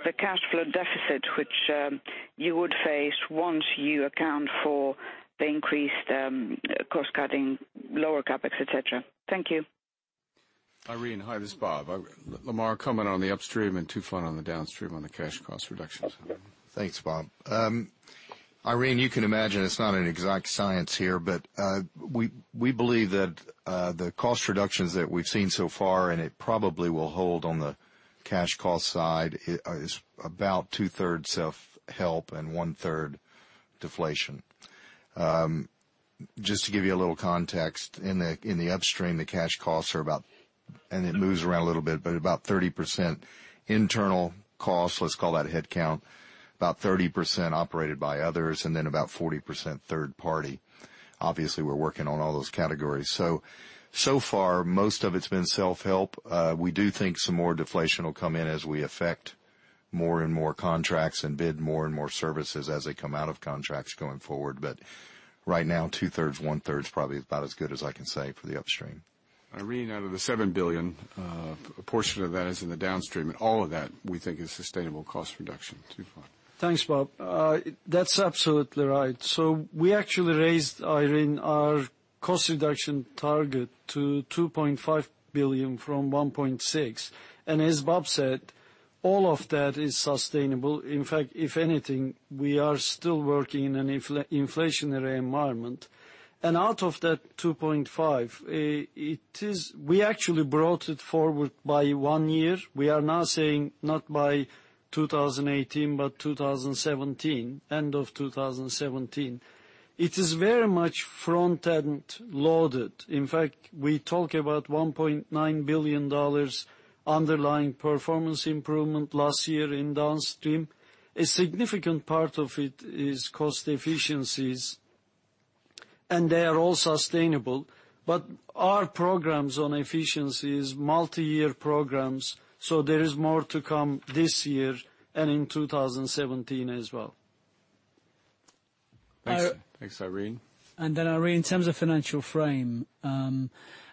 the cash flow deficit, which you would face once you account for the increased cost-cutting, lower CapEx, et cetera? Thank you. Irene. Hi, this is Bob. Lamar, comment on the upstream and Tufan on the Downstream on the cash cost reductions. Thanks, Bob. Irene, you can imagine it's not an exact science here, but we believe that the cost reductions that we've seen so far, and it probably will hold on the cash cost side, is about two-thirds self-help and one-third deflation. To give you a little context, in the upstream, the cash costs are about, and it moves around a little bit, but about 30% internal costs, let's call that headcount. About 30% operated by others, then about 40% third party. We're working on all those categories. So far, most of it's been self-help. We do think some more deflation will come in as we affect more and more contracts and bid more and more services as they come out of contracts going forward. Right now, two-thirds, one-third is probably about as good as I can say for the upstream. Irene, out of the $7 billion, a portion of that is in the Downstream, all of that we think is sustainable cost reduction [Tufan]. Thanks, Bob. That's absolutely right. We actually raised, Irene, our cost reduction target to $2.5 billion from $1.6 billion. As Bob said, all of that is sustainable. If anything, we are still working in an inflationary environment. Out of that $2.5 billion, we actually brought it forward by one year. We are now saying not by 2018, but 2017, end of 2017. It is very much front-end loaded. We talk about $1.9 billion underlying performance improvement last year in Downstream. A significant part of it is cost efficiencies. They are all sustainable. Our programs on efficiency is multi-year programs, so there is more to come this year and in 2017 as well. Thanks, Irene. Irene, in terms of financial frame,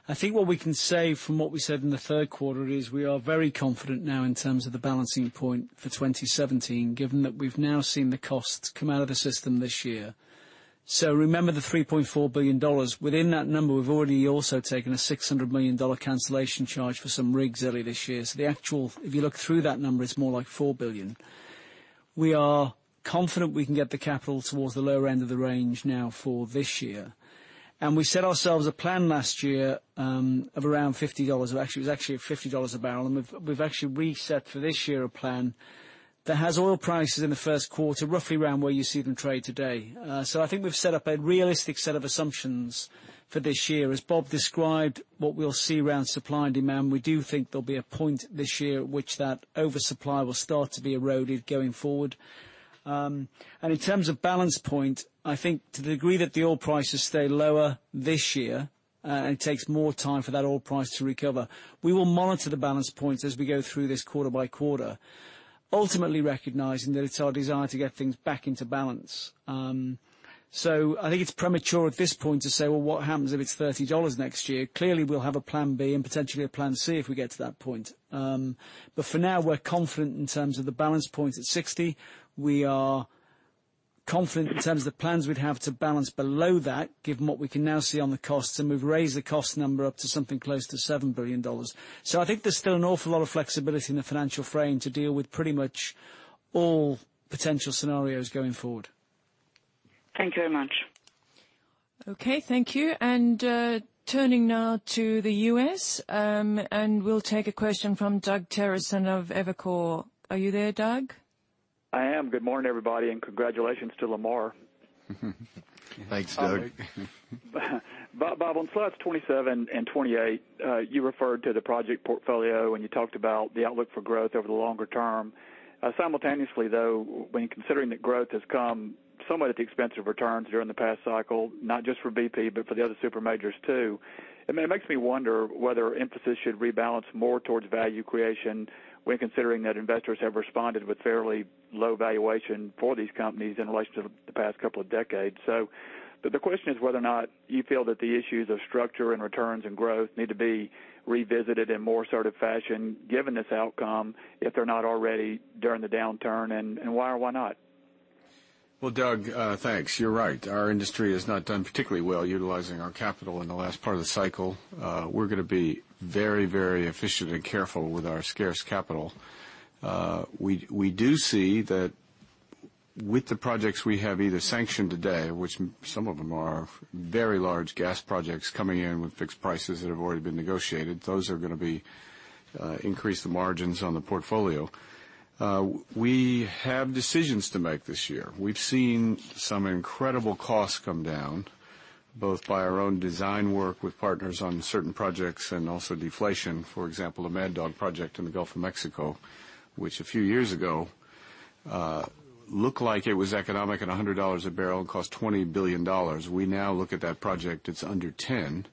I think what we can say from what we said in the third quarter is we are very confident now in terms of the balancing point for 2017, given that we've now seen the costs come out of the system this year. Remember the GBP 3.4 billion. Within that number, we've already also taken a GBP 600 million cancellation charge for some rigs earlier this year. The actual, if you look through that number, is more like 4 billion. We are confident we can get the capital towards the lower end of the range now for this year. We set ourselves a plan last year of around GBP 50. It was actually at GBP 50 a barrel, and we've actually reset for this year a plan that has oil prices in the first quarter, roughly around where you see them trade today. I think we've set up a realistic set of assumptions for this year. As Bob described what we'll see around supply and demand, we do think there'll be a point this year at which that oversupply will start to be eroded going forward. In terms of balance point, I think to the degree that the oil prices stay lower this year, and takes more time for that oil price to recover, we will monitor the balance points as we go through this quarter by quarter, ultimately recognizing that it's our desire to get things back into balance. I think it's premature at this point to say, "Well, what happens if it's GBP 30 next year?" Clearly, we'll have a plan B and potentially a plan C if we get to that point. For now, we're confident in terms of the balance point at 60. We are confident in terms of the plans we'd have to balance below that, given what we can now see on the costs, and we've raised the cost number up to something close to GBP 7 billion. I think there's still an awful lot of flexibility in the financial frame to deal with pretty much all potential scenarios going forward. Thank you very much. Okay, thank you. Turning now to the U.S., we'll take a question from Doug Terreson of Evercore. Are you there, Doug? I am. Good morning, everybody, congratulations to Lamar. Thanks, Doug. Bob, on Slides 27 and 28, you referred to the project portfolio when you talked about the outlook for growth over the longer term. Simultaneously, though, when considering that growth has come somewhat at the expense of returns during the past cycle, not just for BP, but for the other super majors too, it makes me wonder whether emphasis should rebalance more towards value creation when considering that investors have responded with fairly low valuation for these companies in relation to the past couple of decades. The question is whether or not you feel that the issues of structure and returns and growth need to be revisited in more assertive fashion, given this outcome, if they're not already during the downturn, and why or why not? Well, Doug, thanks. You're right. Our industry has not done particularly well utilizing our capital in the last part of the cycle. We're going to be very efficient and careful with our scarce capital. We do see that with the projects we have either sanctioned today, which some of them are very large gas projects coming in with fixed prices that have already been negotiated. Those are going to increase the margins on the portfolio. We have decisions to make this year. We've seen some incredible costs come down, both by our own design work with partners on certain projects and also deflation. For example, the Mad Dog project in the Gulf of Mexico, which a few years ago looked like it was economic at $100 a barrel and cost $20 billion. We now look at that project, it's under 10.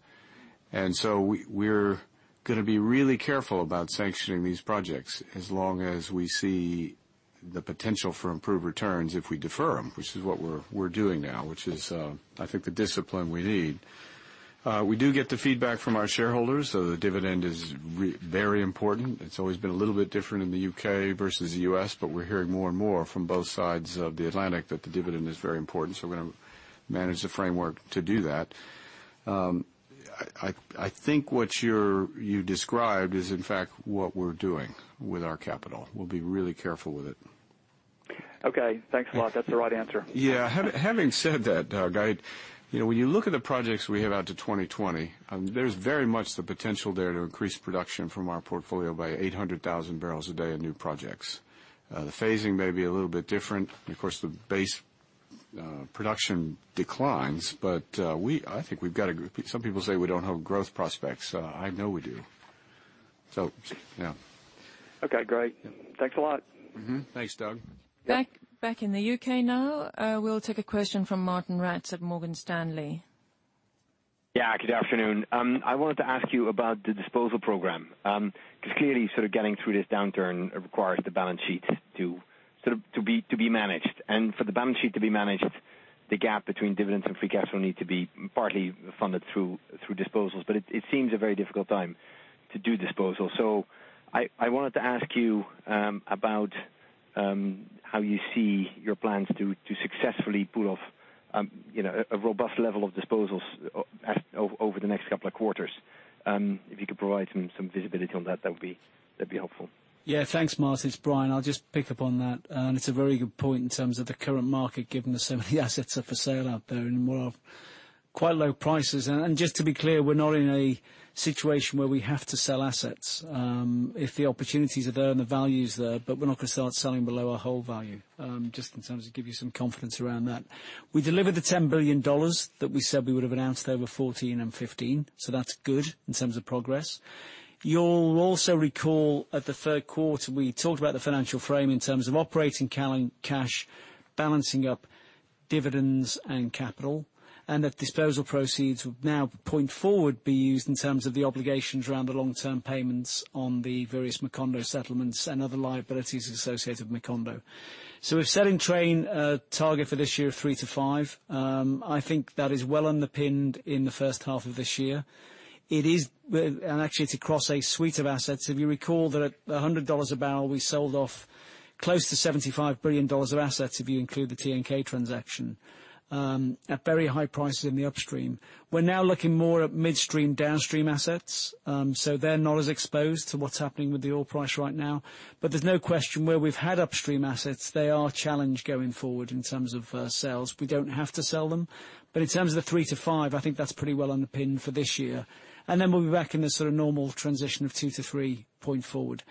We're going to be really careful about sanctioning these projects as long as we see the potential for improved returns if we defer them, which is what we're doing now, which is I think the discipline we need. We do get the feedback from our shareholders. The dividend is very important. It's always been a little bit different in the U.K. versus the U.S., but we're hearing more and more from both sides of the Atlantic that the dividend is very important. We're going to manage the framework to do that. I think what you described is in fact what we're doing with our capital. We'll be really careful with it. Okay, thanks a lot. That's the right answer. Yeah. Having said that, Doug, when you look at the projects we have out to 2020, there's very much the potential there to increase production from our portfolio by 800,000 barrels a day of new projects. The phasing may be a little bit different, of course, the base production declines. Some people say we don't have growth prospects. I know we do. Yeah. Okay, great. Thanks a lot. Mm-hmm. Thanks, Doug. Back in the U.K. now. We'll take a question from Martijn Rats of Morgan Stanley. Yeah, good afternoon. I wanted to ask you about the disposal program. Clearly sort of getting through this downturn requires the balance sheet to be managed. For the balance sheet to be managed, the gap between dividends and free cash flow need to be partly funded through disposals. It seems a very difficult time to do disposal. I wanted to ask you about how you see your plans to successfully pull off a robust level of disposals over the next couple of quarters. If you could provide some visibility on that'd be helpful. Yeah, thanks, Martijn. It's Brian. I'll just pick up on that. It's a very good point in terms of the current market, given that so many assets are for sale out there and more of quite low prices. Just to be clear, we're not in a situation where we have to sell assets. If the opportunities are there and the value is there, but we're not going to start selling below our whole value. Just in terms of give you some confidence around that. We delivered the $10 billion that we said we would have announced over 2014 and 2015, so that's good in terms of progress. You'll also recall at the third quarter, we talked about the financial frame in terms of operating cash balancing up to dividends and capital, that disposal proceeds would now point forward be used in terms of the obligations around the long-term payments on the various Macondo settlements and other liabilities associated with Macondo. We've set in train a target for this year of $3 billion to $5 billion. I think that is well underpinned in the first half of this year. Actually, it's across a suite of assets. If you recall that at $100 a barrel, we sold off close to $75 billion of assets, if you include the TNK transaction, at very high prices in the upstream. We're now looking more at midstream, downstream assets. They're not as exposed to what's happening with the oil price right now. There's no question, where we've had upstream assets, they are a challenge going forward in terms of sales. We don't have to sell them. In terms of the $3 billion to $5 billion, I think that's pretty well underpinned for this year. Then we'll be back in the sort of normal transition of $2 billion to $3 billion point forward.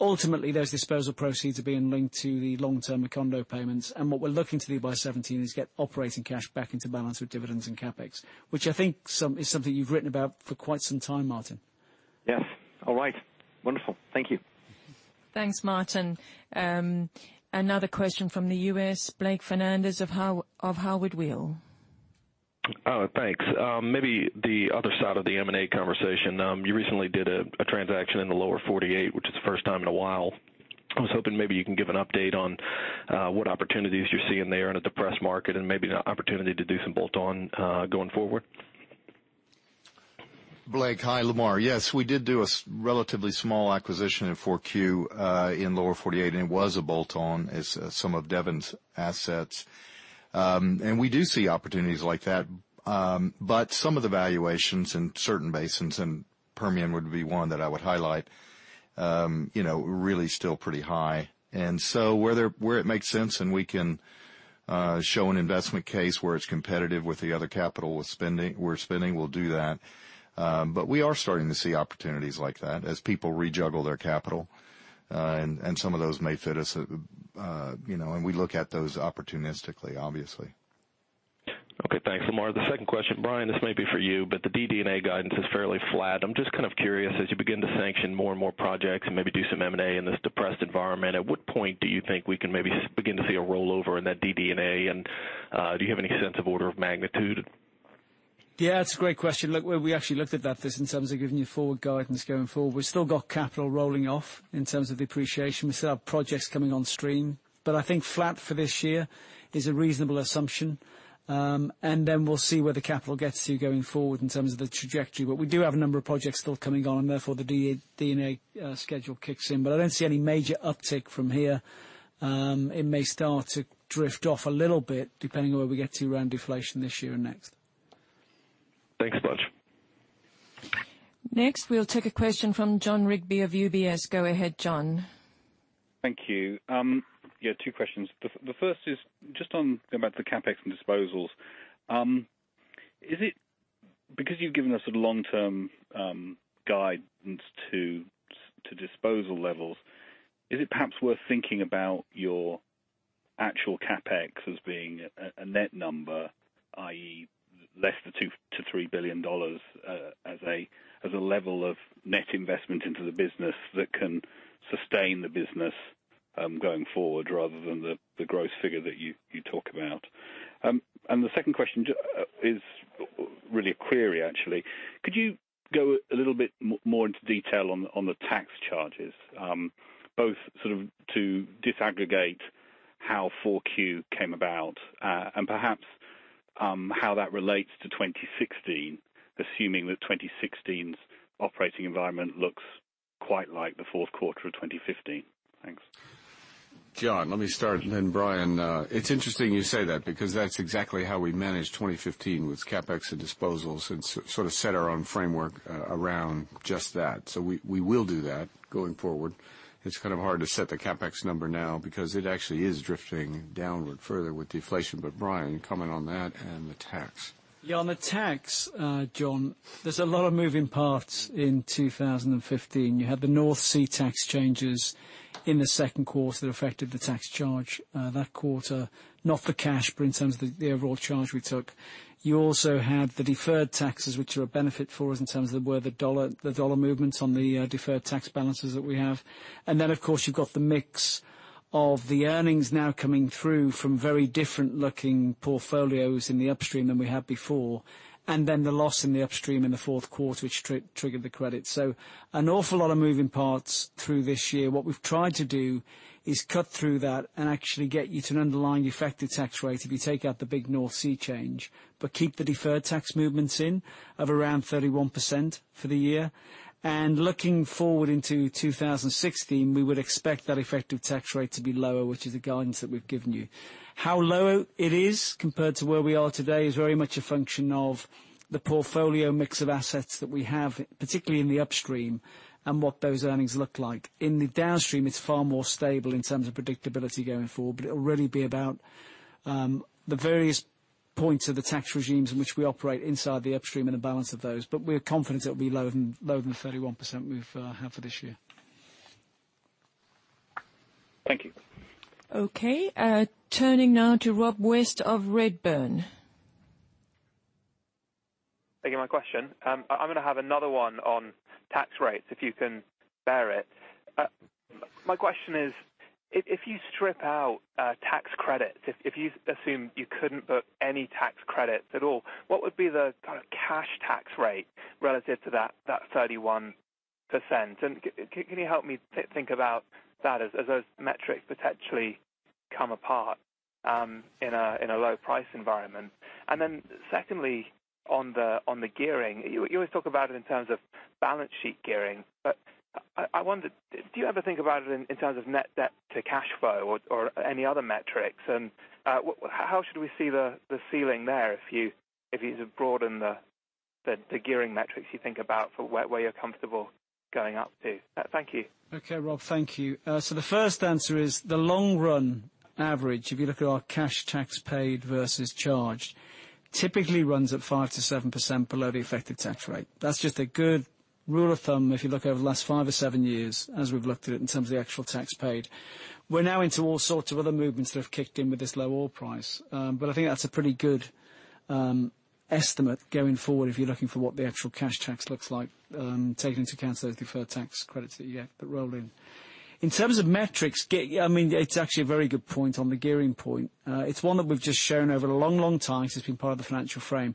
Ultimately, those disposal proceeds are being linked to the long-term Macondo payments. What we're looking to do by 2017 is get operating cash back into balance with dividends and CapEx, which I think is something you've written about for quite some time, Martijn. Yes. All right. Wonderful. Thank you. Thanks, Martijn. Another question from the U.S., Blake Fernandez of Howard Weil. Thanks. Maybe the other side of the M&A conversation. You recently did a transaction in the Lower 48, which is the first time in a while. I was hoping maybe you can give an update on what opportunities you're seeing there in a depressed market and maybe an opportunity to do some bolt-on going forward. Blake, hi. Lamar. Yes, we did do a relatively small acquisition in Q4 in Lower 48, and it was a bolt-on as some of Devon Energy's assets. We do see opportunities like that. Some of the valuations in certain basins, Permian would be one that I would highlight, really still pretty high. Where it makes sense and we can show an investment case where it's competitive with the other capital we're spending, we'll do that. We are starting to see opportunities like that as people rejuggle their capital, some of those may fit us, and we look at those opportunistically, obviously. Okay. Thanks, Lamar. The second question, Brian, this may be for you, the DD&A guidance is fairly flat. I'm just kind of curious, as you begin to sanction more and more projects and maybe do some M&A in this depressed environment, at what point do you think we can maybe begin to see a rollover in that DD&A, do you have any sense of order of magnitude? Yeah, it's a great question. Look, we actually looked at that in terms of giving you forward guidance going forward. We've still got capital rolling off in terms of depreciation. We still have projects coming on stream. I think flat for this year is a reasonable assumption. Then we'll see where the capital gets to going forward in terms of the trajectory. We do have a number of projects still coming on, and therefore, the DD&A schedule kicks in. I don't see any major uptick from here. It may start to drift off a little bit, depending on where we get to around deflation this year and next. Thanks a bunch. Next, we'll take a question from Jon Rigby of UBS. Go ahead, Jon. Thank you. Yeah, two questions. The first is just on about the CapEx and disposals. You've given us a long-term guidance to disposal levels, is it perhaps worth thinking about your actual CapEx as being a net number, i.e., less than GBP 2 billion-GBP 3 billion as a level of net investment into the business that can sustain the business going forward rather than the gross figure that you talk about? The second question is really a query, actually. Could you go a little bit more into detail on the tax charges, both sort of to disaggregate how Q4 came about, and perhaps how that relates to 2016, assuming that 2016's operating environment looks quite like the fourth quarter of 2015? Thanks. Jon, let me start, and then Brian. It's interesting you say that because that's exactly how we managed 2015, with CapEx and disposals, and sort of set our own framework around just that. We will do that going forward. It's kind of hard to set the CapEx number now because it actually is drifting downward further with deflation. Brian, comment on that and the tax. On the tax, Jon, there's a lot of moving parts in 2015. You had the North Sea tax changes in the second quarter that affected the tax charge that quarter, not for cash, but in terms of the overall charge we took. You also had the deferred taxes, which are a benefit for us in terms of where the dollar movements on the deferred tax balances that we have. Of course, you've got the mix of the earnings now coming through from very different-looking portfolios in the Upstream than we had before. And the loss in the Upstream in the fourth quarter, which triggered the credit. So an awful lot of moving parts through this year. What we've tried to do is cut through that and actually get you to an underlying effective tax rate if you take out the big North Sea change, but keep the deferred tax movements in of around 31% for the year. Looking forward into 2016, we would expect that effective tax rate to be lower, which is the guidance that we've given you. How low it is compared to where we are today is very much a function of the portfolio mix of assets that we have, particularly in the Upstream, and what those earnings look like. In the Downstream, it's far more stable in terms of predictability going forward, it'll really be about the various points of the tax regimes in which we operate inside the Upstream and the balance of those. We are confident it will be lower than the 31% we've had for this year. Thank you. Okay. Turning now to Rob West of Redburn. Again, my question, I'm going to have another one on tax rates, if you can bear it. My question is, if you strip out tax credits, if you assume you couldn't book any tax credits at all, what would be the cash tax rate relative to that 31%? Can you help me think about that as those metrics potentially come apart in a low price environment? Secondly, on the gearing. You always talk about it in terms of balance sheet gearing. I wondered, do you ever think about it in terms of net debt to cash flow or any other metrics? How should we see the ceiling there if you broaden the gearing metrics you think about for where you're comfortable going up to? Thank you. Okay, Rob. Thank you. The first answer is the long run average, if you look at our cash tax paid versus charged, typically runs at 5%-7% below the effective tax rate. That's just a good rule of thumb, if you look over the last five or seven years, as we've looked at it in terms of the actual tax paid. We're now into all sorts of other movements that have kicked in with this low oil price. I think that's a pretty good estimate going forward if you're looking for what the actual cash tax looks like, taking into account those deferred tax credits that you have that roll in. In terms of metrics, it's actually a very good point on the gearing point. It's one that we've just shown over a long, long time since it's been part of the financial frame.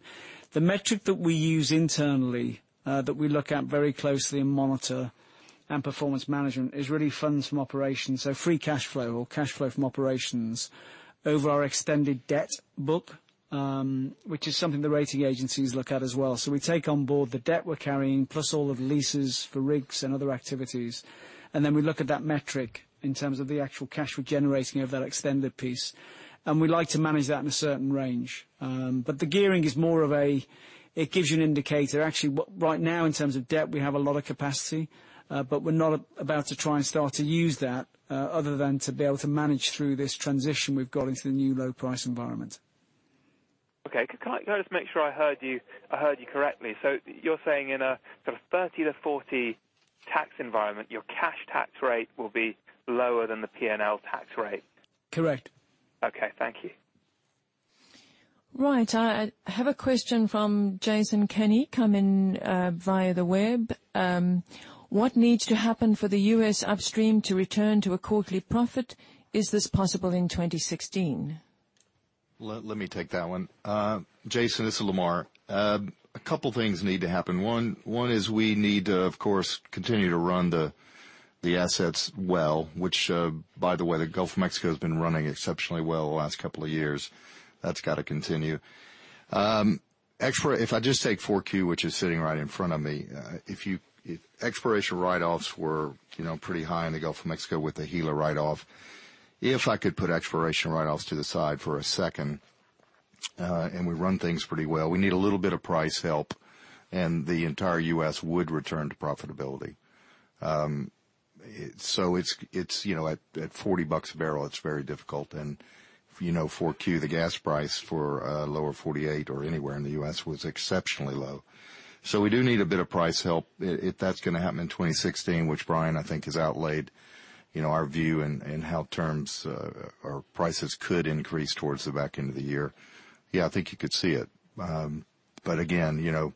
The metric that we use internally, that we look at very closely and monitor. Performance management is really funds from operations. Free cash flow or cash flow from operations over our extended debt book, which is something the rating agencies look at as well. We take on board the debt we're carrying, plus all of leases for rigs and other activities, and then we look at that metric in terms of the actual cash we're generating of that extended piece. We like to manage that in a certain range. The gearing is more of a, it gives you an indicator. Actually, right now, in terms of debt, we have a lot of capacity. We're not about to try and start to use that, other than to be able to manage through this transition we've got into the new low price environment. Okay. Can I just make sure I heard you correctly? You're saying in a sort of 30%-40% tax environment, your cash tax rate will be lower than the P&L tax rate. Correct. Okay. Thank you. Right. I have a question from Jason Kenney, come in via the web. What needs to happen for the U.S. Upstream to return to a quarterly profit? Is this possible in 2016? Let me take that one. Jason, this is Lamar. A couple things need to happen. One is we need to, of course, continue to run the assets well, which, by the way, the Gulf of Mexico has been running exceptionally well the last couple of years. That's got to continue. If I just take Q4, which is sitting right in front of me, exploration write-offs were pretty high in the Gulf of Mexico with the Gila write-off. If I could put exploration write-offs to the side for a second, and we run things pretty well. We need a little bit of price help, and the entire U.S. would return to profitability. At $40 a barrel, it's very difficult, and Q4, the gas price for Lower 48 or anywhere in the U.S. was exceptionally low. We do need a bit of price help. If that's going to happen in 2016, which Brian, I think has outlaid our view in how terms or prices could increase towards the back end of the year. I think you could see it. Again,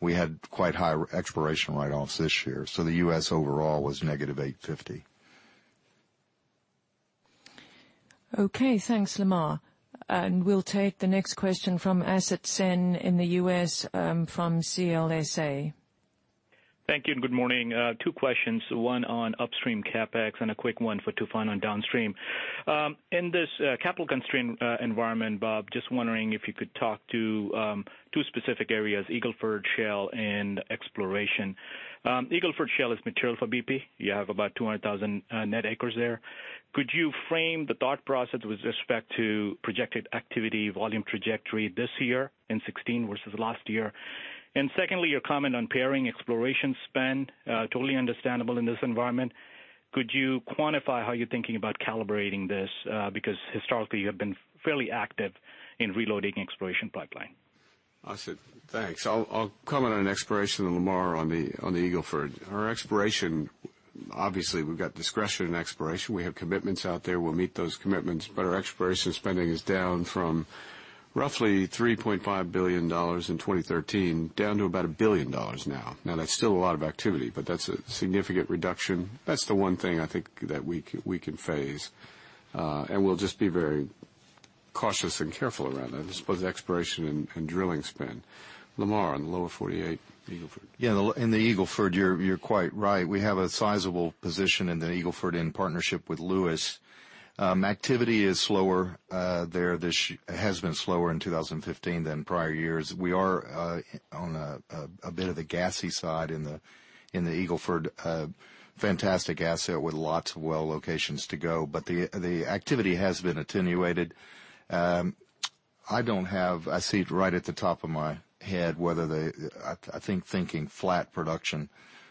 we had quite high exploration write-offs this year, so the U.S. overall was negative 850. Okay. Thanks, Lamar. We'll take the next question from Asit Sen in the U.S. from CLSA. Thank you, and good morning. 2 questions. One on Upstream CapEx and a quick one for Tufan on Downstream. In this capital-constrained environment, Bob, just wondering if you could talk to 2 specific areas, Eagle Ford Shale and exploration. Eagle Ford Shale is material for BP. You have about 200,000 net acres there. Could you frame the thought process with respect to projected activity volume trajectory this year in 2016 versus last year? Secondly, your comment on pairing exploration spend, totally understandable in this environment. Could you quantify how you're thinking about calibrating this? Because historically, you have been fairly active in reloading exploration pipeline. Asit, thanks. I'll comment on exploration and Lamar on the Eagle Ford. Our exploration, obviously we've got discretion in exploration. We have commitments out there. We'll meet those commitments, but our exploration spending is down from roughly $3.5 billion in 2013, down to about $1 billion now. That's still a lot of activity, but that's a significant reduction. That's the one thing I think that we can phase. We'll just be very cautious and careful around that. I suppose exploration and drilling spend. Lamar, on the Lower 48, Eagle Ford. In the Eagle Ford, you're quite right. We have a sizable position in the Eagle Ford in partnership with Lewis. Activity is slower there. It has been slower in 2015 than prior years. We are on a bit of the gassy side in the Eagle Ford. Fantastic asset with lots of well locations to go, but the activity has been attenuated. I think thinking flat production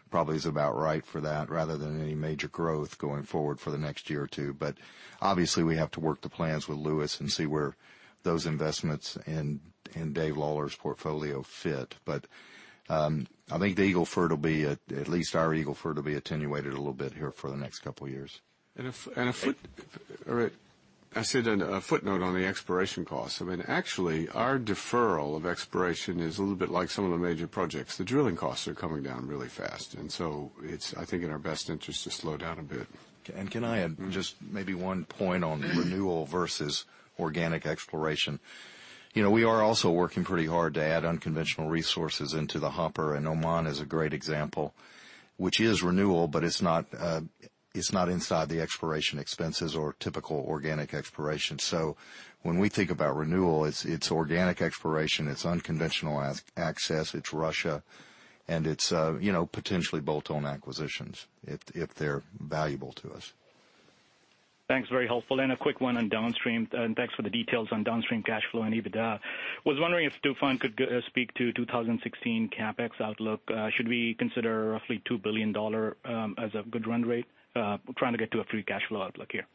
probably is about right for that rather than any major growth going forward for the next year or two. Obviously we have to work the plans with Lewis and see where those investments in David Lawler's portfolio fit. I think the Eagle Ford will be, at least our Eagle Ford will be attenuated a little bit here for the next couple of years. I said a footnote on the exploration costs. Actually, our deferral of exploration is a little bit like some of the major projects. The drilling costs are coming down really fast. It's, I think, in our best interest to slow down a bit. Can I add just maybe one point on renewal versus organic exploration? We are also working pretty hard to add unconventional resources into the hopper, Oman is a great example, which is renewal, but it's not inside the exploration expenses or typical organic exploration. When we think about renewal, it's organic exploration, it's unconventional access, it's Russia, and it's potentially bolt-on acquisitions, if they're valuable to us. Thanks. Very helpful. A quick one on downstream. Thanks for the details on downstream cash flow and EBITDA. Was wondering if Tufan could speak to 2016 CapEx outlook. Should we consider roughly GBP 2 billion as a good run rate? Trying to get to a free cash flow outlook here.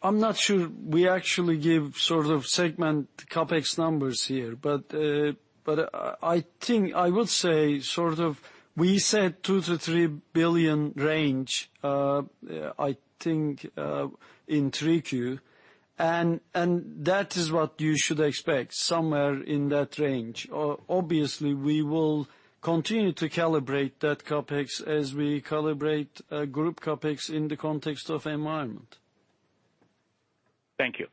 I'm not sure we actually give segment CapEx numbers here. I think I would say we said 2 billion-3 billion range, I think, in 3Q. That is what you should expect, somewhere in that range. Obviously, we will continue to calibrate that CapEx as we calibrate group CapEx in the context of environment. Thank you.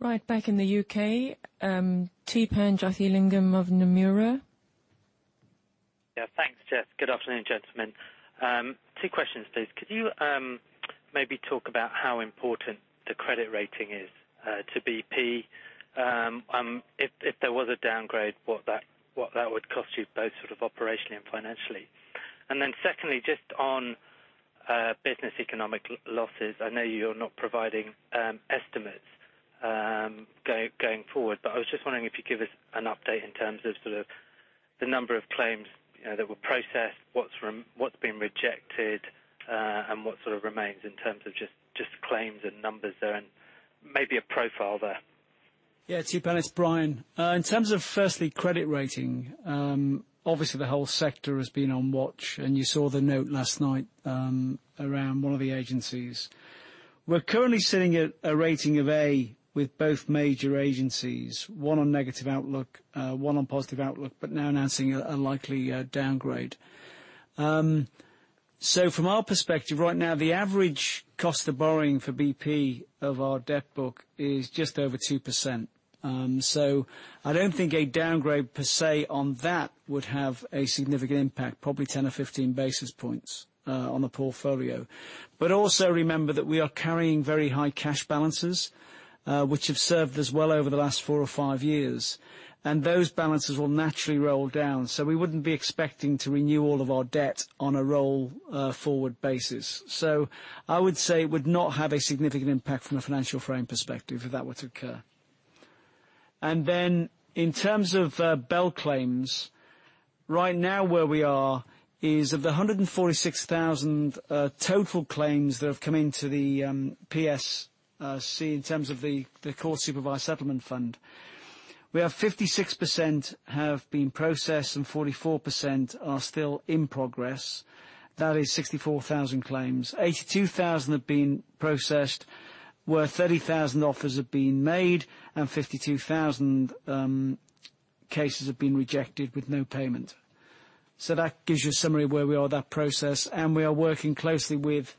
Right. Back in the U.K., Theepan Jothilingam of Nomura. Thanks, Jess. Good afternoon, gentlemen. Two questions, please. Could you maybe talk about how important the credit rating is to BP? If there was a downgrade, what that would cost you both operationally and financially. Secondly, just on business economic losses. I know you're not providing estimates going forward. I was just wondering if you could give us an update in terms of the number of claims that were processed, what's been rejected, and what remains in terms of just claims and numbers there, and maybe a profile there. Theepan, it's Brian. Firstly, credit rating, obviously the whole sector has been on watch, and you saw the note last night around one of the agencies. We're currently sitting at a rating of A with both major agencies, one on negative outlook, one on positive outlook, now announcing a likely downgrade. From our perspective right now, the average cost of borrowing for BP of our debt book is just over 2%. I don't think a downgrade, per se, on that would have a significant impact, probably 10 or 15 basis points on the portfolio. Also remember that we are carrying very high cash balances, which have served us well over the last four or five years, and those balances will naturally roll down. We wouldn't be expecting to renew all of our debt on a roll-forward basis. I would say it would not have a significant impact from a financial frame perspective if that were to occur. In terms of BEL claims, right now where we are is of the 146,000 total claims that have come into the PSC in terms of the court-supervised settlement fund, where 56% have been processed and 44% are still in progress. That is 64,000 claims. 82,000 have been processed, where 30,000 offers have been made, and 52,000 cases have been rejected with no payment. That gives you a summary of where we are with that process, and we are working closely with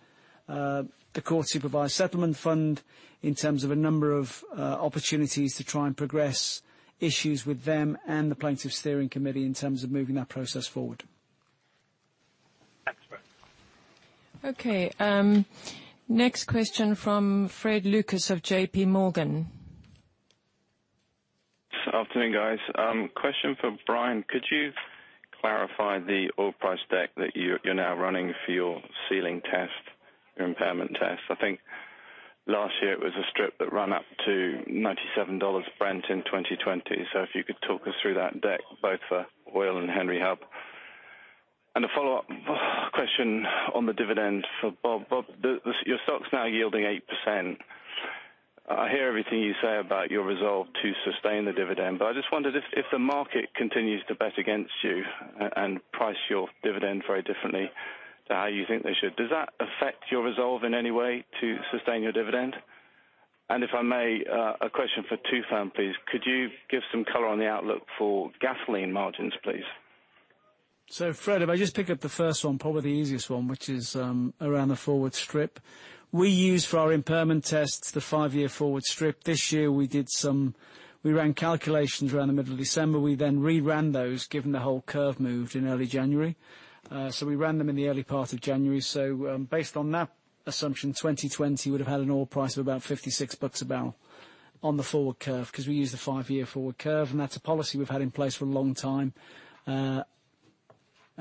the court-supervised settlement fund in terms of a number of opportunities to try and progress issues with them and the Plaintiffs' Steering Committee in terms of moving that process forward. Thanks, Brian. Okay, next question from Frederick Lucas of JPMorgan Chase. Afternoon, guys. Question for Brian. Could you clarify the oil price deck that you're now running for your ceiling test, your impairment test? I think last year it was a strip that ran up to $97 Brent in 2020. If you could talk us through that deck, both for oil and Henry Hub. A follow-up question on the dividend for Bob. Bob, your stock's now yielding 8%. I hear everything you say about your resolve to sustain the dividend, but I just wondered if the market continues to bet against you and price your dividend very differently to how you think they should, does that affect your resolve in any way to sustain your dividend? If I may, a question for Tufan, please. Could you give some color on the outlook for gasoline margins, please? Fred, if I just pick up the first one, probably the easiest one, which is around the forward strip. We use for our impairment tests the five-year forward strip. This year, we ran calculations around the middle of December. We then re-ran those, given the whole curve moved in early January. We ran them in the early part of January. Based on that assumption, 2020 would have had an oil price of about $56 a barrel on the forward curve, because we use the five-year forward curve, and that's a policy we've had in place for a long time.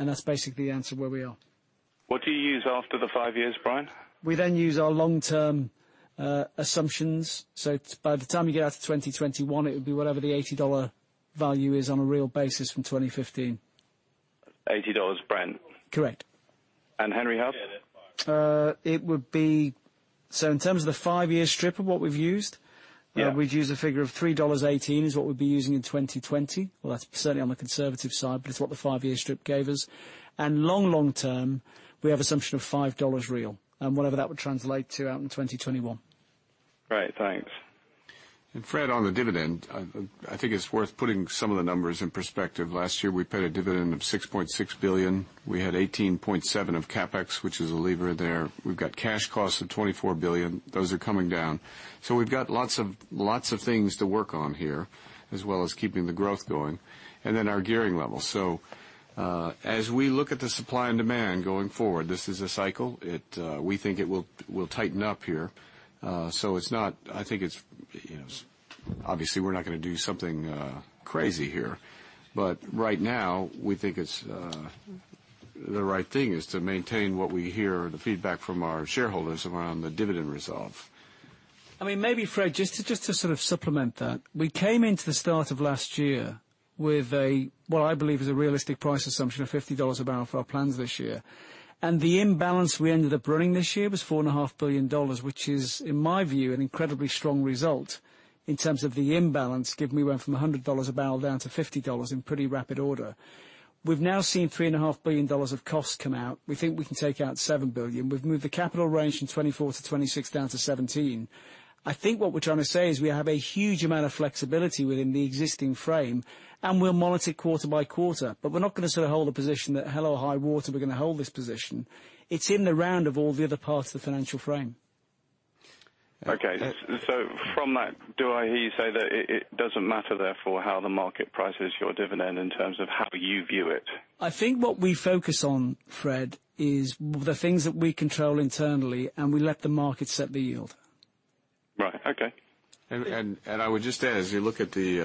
That's basically the answer where we are. What do you use after the five years, Brian? We use our long-term assumptions. By the time you get out to 2021, it would be whatever the GBP 80 value is on a real basis from 2015. GBP 80 Brent? Correct. Henry Hub? In terms of the five-year strip of what we've used. Yeah We'd use a figure of $3.18, is what we'd be using in 2020. That's certainly on the conservative side, but it's what the five-year strip gave us. Long, long term, we have assumption of $5 real and whatever that would translate to out in 2021. Great. Thanks. Fred, on the dividend, I think it's worth putting some of the numbers in perspective. Last year, we paid a dividend of $6.6 billion. We had $18.7 of CapEx, which is a lever there. We've got cash costs of $24 billion. Those are coming down. We've got lots of things to work on here, as well as keeping the growth going. Then our gearing level. As we look at the supply and demand going forward, this is a cycle. We think it will tighten up here. Obviously, we're not going to do something crazy here. Right now, we think the right thing is to maintain what we hear the feedback from our shareholders around the dividend resolve. Maybe Fred, just to sort of supplement that. We came into the start of last year with a, what I believe is a realistic price assumption of $50 a barrel for our plans this year. The imbalance we ended up running this year was $4.5 billion, which is, in my view, an incredibly strong result in terms of the imbalance, given we went from $100 a barrel down to $50 in pretty rapid order. We've now seen $3.4 billion of costs come out. We think we can take out $7 billion. We've moved the capital range from $24-$26 down to $17. I think what we're trying to say is we have a huge amount of flexibility within the existing frame, and we'll monitor it quarter by quarter. We're not going to sort of hold a position that, "Hello, high water, we're going to hold this position." It's in the round of all the other parts of the financial frame. Okay. From that, do I hear you say that it doesn't matter therefore how the market prices your dividend in terms of how you view it? I think what we focus on, Fred, is the things that we control internally, and we let the market set the yield. Right. Okay. I would just add, as you look at the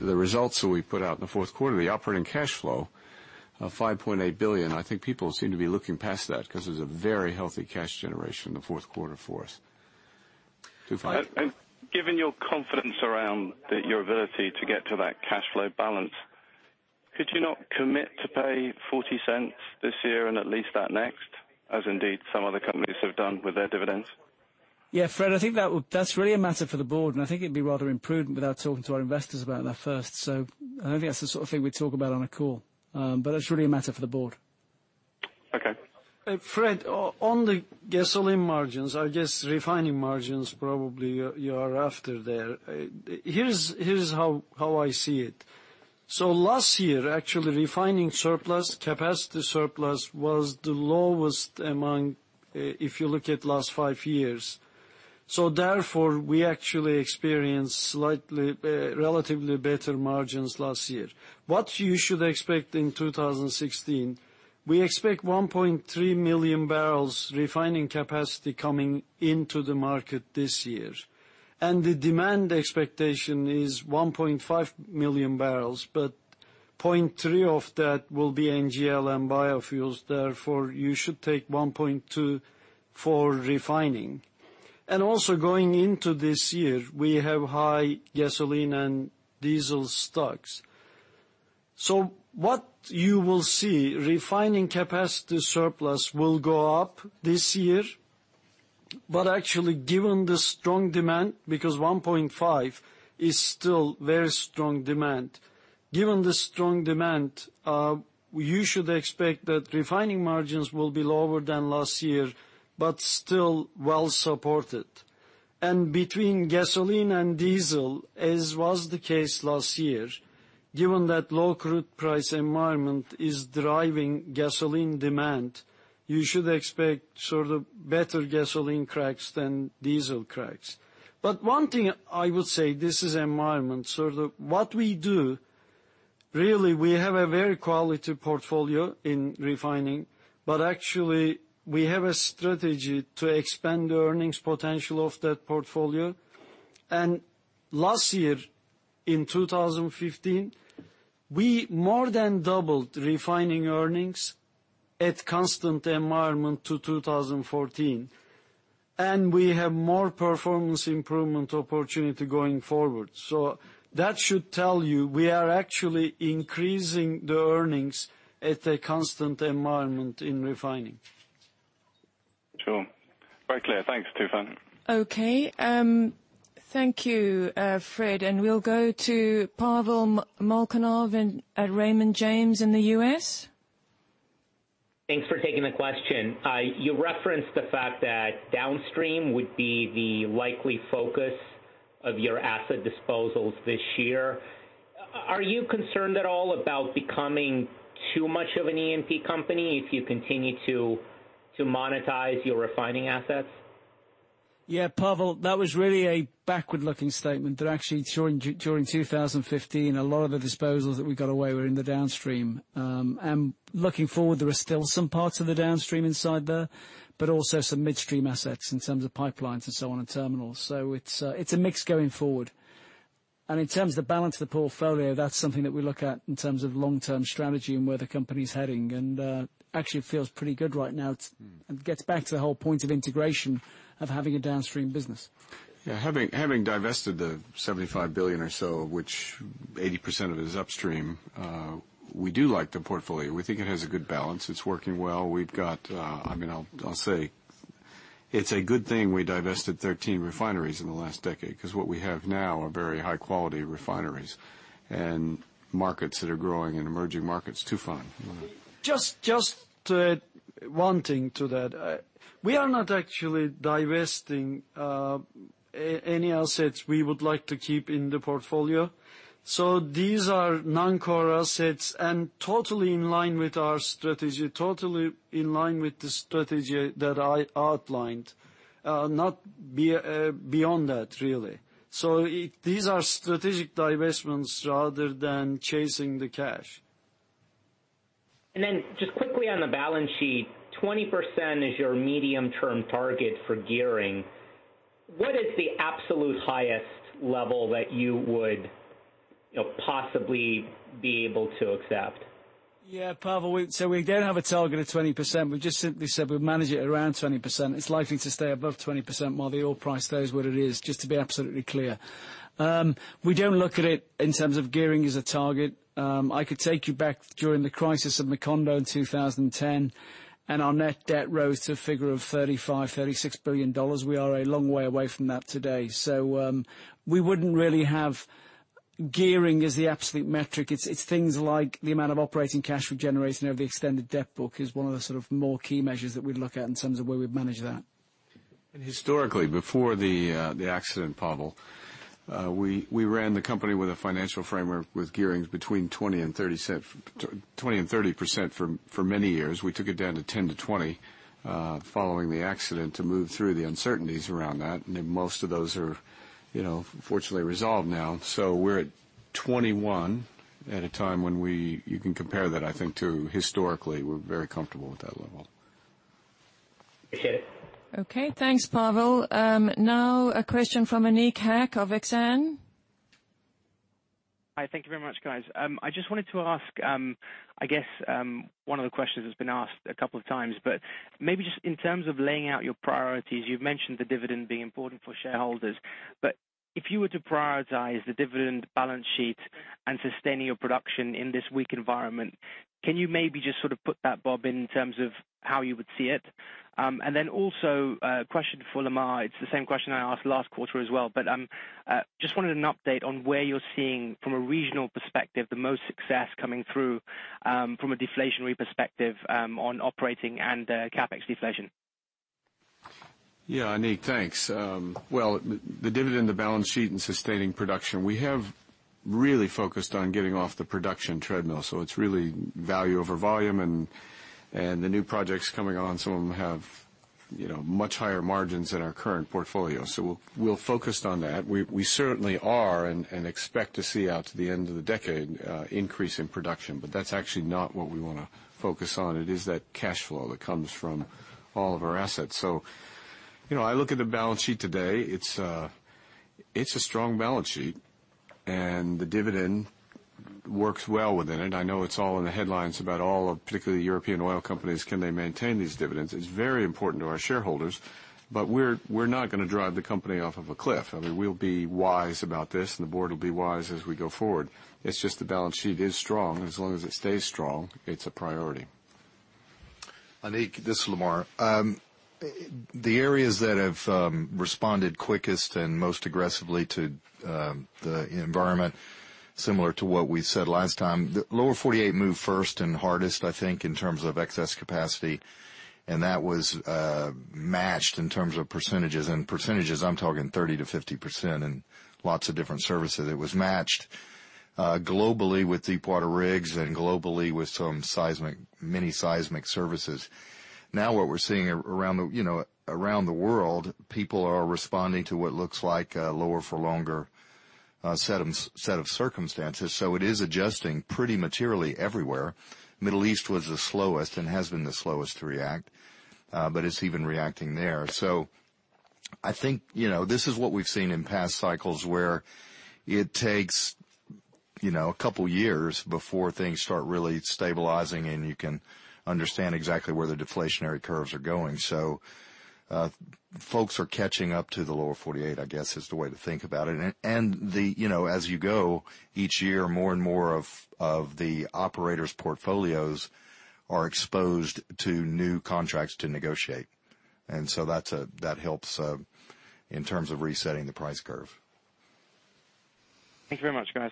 results that we put out in the fourth quarter, the operating cash flow of 5.8 billion, I think people seem to be looking past that because it was a very healthy cash generation in the fourth quarter for us. Given your confidence around your ability to get to that cash flow balance, could you not commit to pay 0.40 this year and at least that next, as indeed some other companies have done with their dividends? Yeah, Fred, I think that's really a matter for the board, and I think it'd be rather imprudent without talking to our investors about that first. I don't think that's the sort of thing we talk about on a call. It's really a matter for the board. Okay. Fred, on the gasoline margins, I guess refining margins probably you are after there. Here's how I see it. Last year, actually refining surplus, capacity surplus was the lowest among if you look at last five years. Therefore, we actually experienced relatively better margins last year. What you should expect in 2016, we expect 1.3 million barrels refining capacity coming into the market this year. The demand expectation is 1.5 million barrels, but 0.3 of that will be NGL and biofuels, therefore you should take 1.2 for refining. Also going into this year, we have high gasoline and diesel stocks. What you will see, refining capacity surplus will go up this year. Actually, given the strong demand, because 1.5 is still very strong demand. Given the strong demand, you should expect that refining margins will be lower than last year, but still well supported. Between gasoline and diesel, as was the case last year, given that low crude price environment is driving gasoline demand, you should expect sort of better gasoline cracks than diesel cracks. One thing I would say, this is environment, sort of what we do, really, we have a very quality portfolio in refining, but actually we have a strategy to expand the earnings potential of that portfolio. Last year, in 2015, we more than doubled refining earnings at constant environment to 2014. We have more performance improvement opportunity going forward. That should tell you we are actually increasing the earnings at a constant environment in refining. Sure. Very clear. Thanks, Tufan. Okay. Thank you, Fred. We'll go to Pavel Molchanov at Raymond James in the U.S. Thanks for taking the question. You referenced the fact that downstream would be the likely focus of your asset disposals this year. Are you concerned at all about becoming too much of an E&P company if you continue to monetize your refining assets? Yeah, Pavel, that was really a backward-looking statement, that actually during 2015, a lot of the disposals that we got away were in the downstream. Looking forward, there are still some parts of the downstream inside there, but also some midstream assets in terms of pipelines and so on, and terminals. It's a mix going forward. In terms of the balance of the portfolio, that's something that we look at in terms of long-term strategy and where the company's heading, and actually it feels pretty good right now. It gets back to the whole point of integration of having a downstream business. Yeah. Having divested the 75 billion or so, which 80% of it is upstream, we do like the portfolio. We think it has a good balance. It's working well. We've got, I'll say It's a good thing we divested 13 refineries in the last decade, because what we have now are very high-quality refineries in markets that are growing, in emerging markets too, Fatih. Just one thing to that. We are not actually divesting any assets we would like to keep in the portfolio. These are non-core assets and totally in line with our strategy, totally in line with the strategy that I outlined. Not beyond that, really. These are strategic divestments rather than chasing the cash. Then just quickly on the balance sheet, 20% is your medium-term target for gearing. What is the absolute highest level that you would possibly be able to accept? Pavel, we don't have a target of 20%. We've just simply said we'll manage it around 20%. It's likely to stay above 20% while the oil price stays where it is, just to be absolutely clear. We don't look at it in terms of gearing as a target. I could take you back during the crisis of Macondo in 2010, and our net debt rose to a figure of GBP 35 billion, GBP 36 billion. We are a long way away from that today. We wouldn't really have gearing as the absolute metric. It's things like the amount of operating cash we generate, the extended debt book is one of the more key measures that we'd look at in terms of where we'd manage that. Historically, before the accident, Pavel, we ran the company with a financial framework with gearings between 20%-30% for many years. We took it down to 10%-20% following the accident to move through the uncertainties around that, and most of those are fortunately resolved now. We're at 21 at a time when you can compare that, I think, to historically, we're very comfortable with that level. Okay. Okay, thanks, Pavel. A question from Aneek Haq of Exane. Hi. Thank you very much, guys. I just wanted to ask, I guess one of the questions that's been asked a couple of times, but maybe just in terms of laying out your priorities, you've mentioned the dividend being important for shareholders. If you were to prioritize the dividend balance sheet and sustaining your production in this weak environment, can you maybe just sort of put that, Bob, in terms of how you would see it? A question for Lamar. It's the same question I asked last quarter as well, but just wanted an update on where you're seeing, from a regional perspective, the most success coming through from a deflationary perspective on operating and CapEx deflation. Yeah, Aneek, thanks. The dividend, the balance sheet, and sustaining production, we have really focused on getting off the production treadmill. It's really value over volume and the new projects coming on, some of them have much higher margins than our current portfolio. We'll focus on that. We certainly are and expect to see out to the end of the decade an increase in production. That's actually not what we want to focus on. It is that cash flow that comes from all of our assets. I look at the balance sheet today. It's a strong balance sheet, and the dividend works well within it. I know it's all in the headlines about all of, particularly European oil companies, can they maintain these dividends? It's very important to our shareholders. We're not going to drive the company off of a cliff. I mean, we'll be wise about this, the board will be wise as we go forward. It's just the balance sheet is strong. As long as it stays strong, it's a priority. Aneek, this is Lamar. The areas that have responded quickest and most aggressively to the environment, similar to what we said last time, the Lower 48 moved first and hardest, I think, in terms of excess capacity, and that was matched in terms of percentages. Percentages, I'm talking 30%-50% in lots of different services. It was matched globally with deepwater rigs and globally with some mini seismic services. What we're seeing around the world, people are responding to what looks like a lower for longer set of circumstances. It is adjusting pretty materially everywhere. Middle East was the slowest and has been the slowest to react, it's even reacting there. I think this is what we've seen in past cycles where it takes a couple of years before things start really stabilizing, and you can understand exactly where the deflationary curves are going. Folks are catching up to the Lower 48, I guess, is the way to think about it. As you go, each year more and more of the operators' portfolios are exposed to new contracts to negotiate. That helps in terms of resetting the price curve. Thank you very much, guys.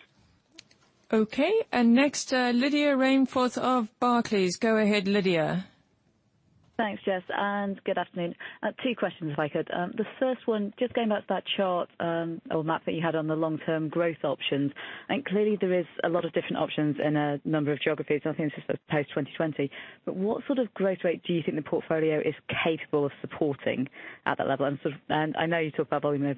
Next, Lydia Rainforth of Barclays. Go ahead, Lydia. Thanks, Jess, good afternoon. Two questions if I could. The first one, just going back to that chart or map that you had on the long-term growth options. Clearly there is a lot of different options in a number of geographies, and I think this is post-2020. What sort of growth rate do you think the portfolio is capable of supporting at that level? I know you talk about value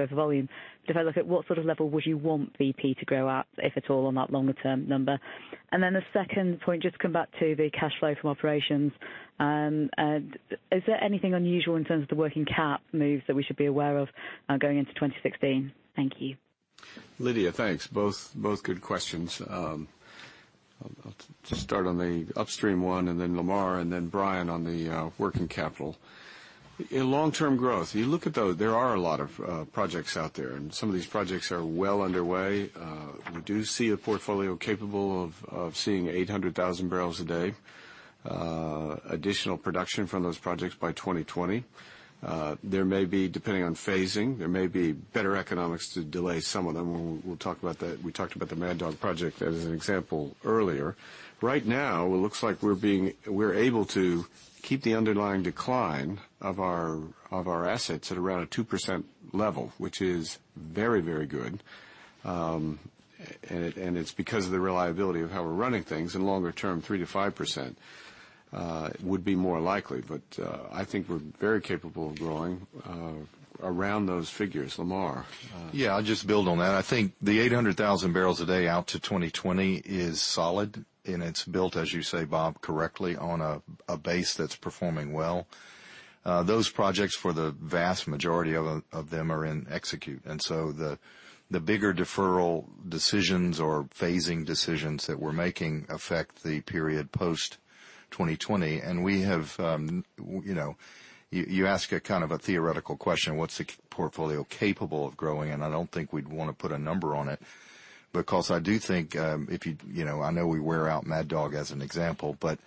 over volume, if I look at what sort of level would you want BP to grow at, if at all, on that longer-term number? The second point, just to come back to the cash flow from operations. Is there anything unusual in terms of the working cap moves that we should be aware of going into 2016? Thank you. Lydia, thanks. Both good questions. I'll just start on the upstream one, then Lamar and then Brian on the working capital. In long-term growth, you look at those, there are a lot of projects out there, and some of these projects are well underway. We do see a portfolio capable of seeing 800,000 barrels a day. Additional production from those projects by 2020. Depending on phasing, there may be better economics to delay some of them. We talked about the Mad Dog project as an example earlier. Right now, it looks like we're able to keep the underlying decline of our assets at around a 2% level, which is very good. It's because of the reliability of how we're running things, and longer term, 3%-5% would be more likely. I think we're very capable of growing around those figures. Lamar? I'll just build on that. I think the 800,000 barrels a day out to 2020 is solid, and it's built, as you say, Bob, correctly, on a base that's performing well. Those projects, for the vast majority of them, are in execute. The bigger deferral decisions or phasing decisions that we're making affect the period post-2020. You ask a theoretical question, what's the portfolio capable of growing? I don't think we'd want to put a number on it, because I do think, I know we wear out Mad Dog as an example, but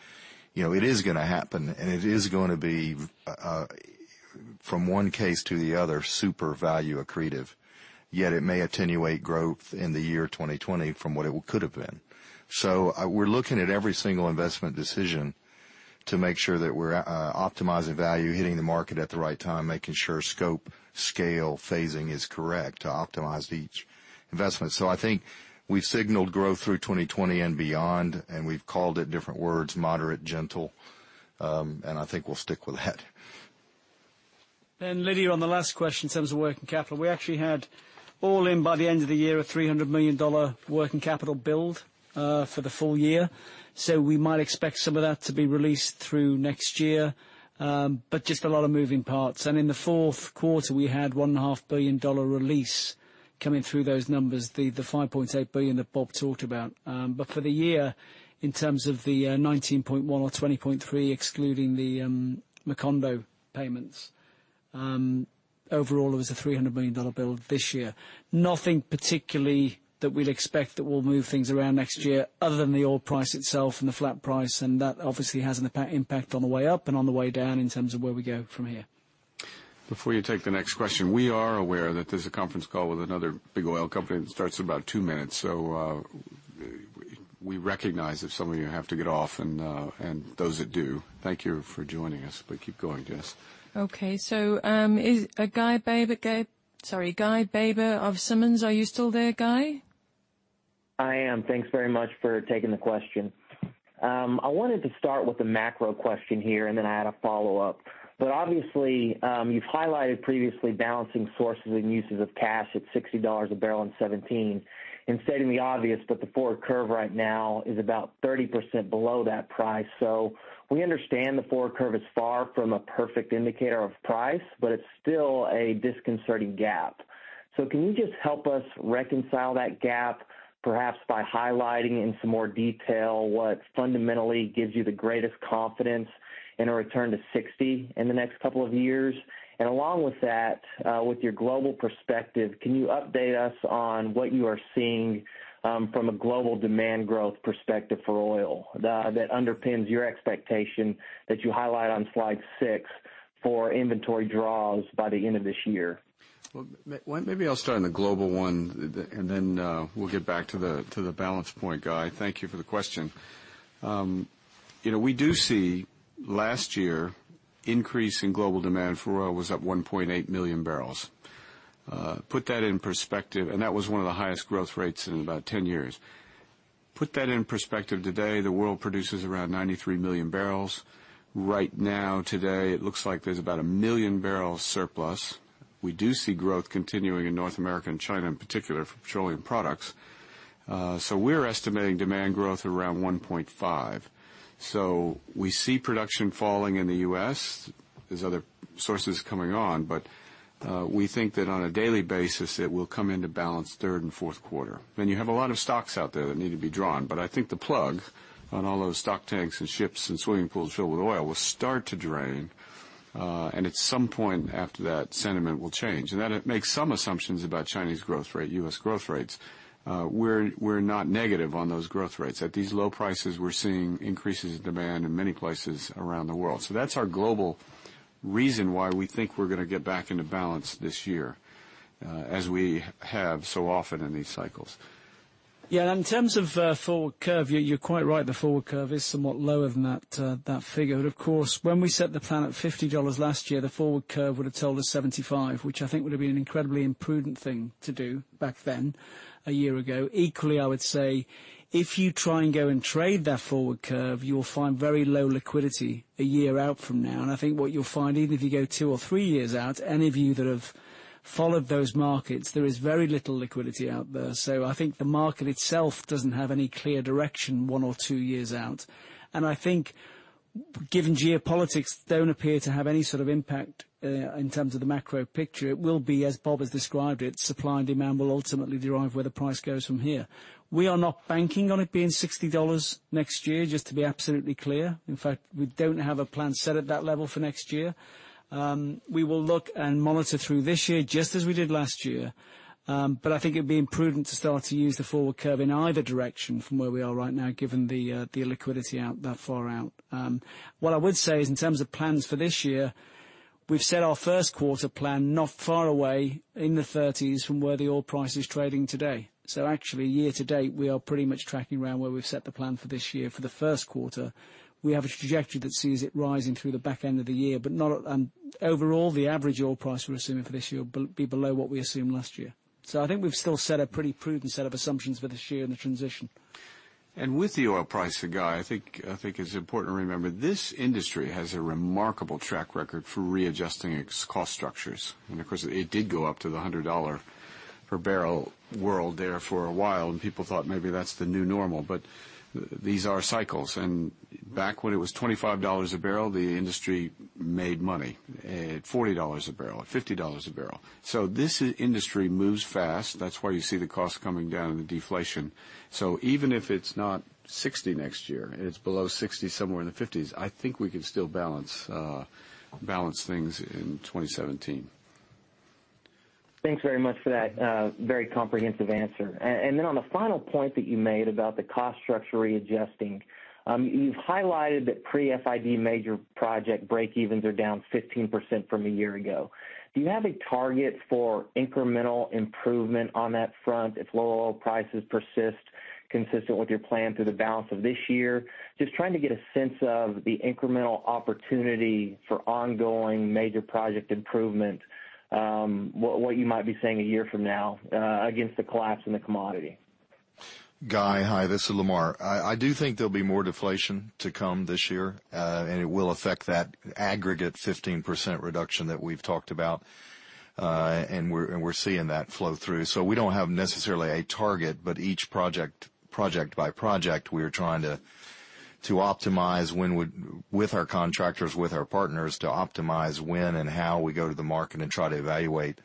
it is going to happen, and it is going to be, from one case to the other, super value accretive. Yet it may attenuate growth in the year 2020 from what it could've been. We're looking at every single investment decision to make sure that we're optimizing value, hitting the market at the right time, making sure scope, scale, phasing is correct to optimize each investment. I think we've signaled growth through 2020 and beyond, and we've called it different words, moderate, gentle, and I think we'll stick with that. Lydia, on the last question, in terms of working capital, we actually had all in by the end of the year, a $300 million working capital build for the full year. We might expect some of that to be released through next year. Just a lot of moving parts. In the fourth quarter, we had $1.5 billion release coming through those numbers, the $5.8 billion that Bob talked about. For the year, in terms of the 19.1 or 20.3, excluding the Macondo payments, overall, it was a $300 million build this year. Nothing particularly that we'd expect that will move things around next year other than the oil price itself and the flat price, and that obviously has an impact on the way up and on the way down in terms of where we go from here. Before you take the next question, we are aware that there's a conference call with another big oil company that starts in about 2 minutes. We recognize if some of you have to get off, and those that do, thank you for joining us. Keep going, Jess. Okay. Guy Baber of Simmons, are you still there, Guy? I am. Thanks very much for taking the question. I wanted to start with a macro question here, and then I had a follow-up. Obviously, you've highlighted previously balancing sources and uses of cash at $60 a barrel in 2017. Stating the obvious, but the forward curve right now is about 30% below that price. We understand the forward curve is far from a perfect indicator of price, but it's still a disconcerting gap. Can you just help us reconcile that gap, perhaps by highlighting in some more detail what fundamentally gives you the greatest confidence in a return to $60 in the next couple of years? Along with that, with your global perspective, can you update us on what you are seeing from a global demand growth perspective for oil that underpins your expectation that you highlight on slide six for inventory draws by the end of this year? Well, maybe I'll start on the global one. Then we'll get back to the balance point, Guy. Thank you for the question. We do see last year, increase in global demand for oil was up 1.8 million barrels. Put that in perspective, that was one of the highest growth rates in about 10 years. Put that in perspective today. The world produces around 93 million barrels. Right now, today, it looks like there's about a million barrels surplus. We do see growth continuing in North America and China, in particular, for petroleum products. We're estimating demand growth around 1.5. We see production falling in the U.S. There's other sources coming on, we think that on a daily basis, it will come into balance third and fourth quarter. You have a lot of stocks out there that need to be drawn. I think the plug on all those stock tanks and ships and swimming pools filled with oil will start to drain, and at some point after that, sentiment will change. That makes some assumptions about Chinese growth rate, U.S. growth rates. We're not negative on those growth rates. At these low prices, we're seeing increases in demand in many places around the world. That's our global reason why we think we're going to get back into balance this year, as we have so often in these cycles. In terms of forward curve, you're quite right. The forward curve is somewhat lower than that figure. Of course, when we set the plan at GBP 50 last year, the forward curve would've told us 75, which I think would've been an incredibly imprudent thing to do back then, a year ago. Equally, I would say, if you try and go and trade that forward curve, you will find very low liquidity a year out from now. I think what you'll find, even if you go two or three years out, any of you that have followed those markets, there is very little liquidity out there. I think the market itself doesn't have any clear direction one or two years out. I think given geopolitics don't appear to have any sort of impact in terms of the macro picture, it will be, as Bob has described it, supply and demand will ultimately derive where the price goes from here. We are not banking on it being GBP 60 next year, just to be absolutely clear. In fact, we don't have a plan set at that level for next year. We will look and monitor through this year just as we did last year. I think it'd be imprudent to start to use the forward curve in either direction from where we are right now given the illiquidity out that far out. What I would say is in terms of plans for this year. We've set our first quarter plan not far away, in the GBP 30s, from where the oil price is trading today. Actually, year to date, we are pretty much tracking around where we've set the plan for this year. For the first quarter, we have a trajectory that sees it rising through the back end of the year, and overall, the average oil price we're assuming for this year will be below what we assumed last year. I think we've still set a pretty prudent set of assumptions for this year in the transition. With the oil price, Guy, I think it's important to remember, this industry has a remarkable track record for readjusting its cost structures. Of course, it did go up to the $100 per barrel world there for a while, and people thought maybe that's the new normal, but these are cycles. Back when it was $25 a barrel, the industry made money at $40 a barrel, at $50 a barrel. This industry moves fast. That's why you see the cost coming down in the deflation. Even if it's not $60 next year, and it's below $60, somewhere in the $50s, I think we can still balance things in 2017. Thanks very much for that very comprehensive answer. On the final point that you made about the cost structure readjusting, you've highlighted that pre-FID major project breakevens are down 15% from a year ago. Do you have a target for incremental improvement on that front if lower oil prices persist consistent with your plan through the balance of this year? Just trying to get a sense of the incremental opportunity for ongoing major project improvement, what you might be seeing a year from now against the collapse in the commodity. Guy, hi, this is Lamar. I do think there'll be more deflation to come this year, and it will affect that aggregate 15% reduction that we've talked about. We're seeing that flow through. We don't have necessarily a target, but each project by project, we are trying to optimize with our contractors, with our partners, to optimize when and how we go to the market and try to evaluate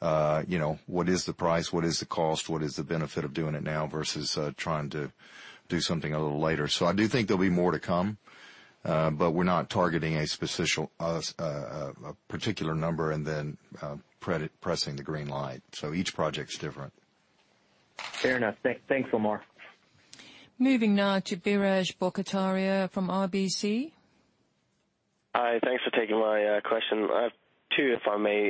what is the price, what is the cost, what is the benefit of doing it now versus trying to do something a little later. I do think there'll be more to come, but we're not targeting a particular number and then pressing the green light. Each project's different. Fair enough. Thanks, Lamar. Moving now to Biraj Borkhataria from RBC. Hi, thanks for taking my question. I have two, if I may.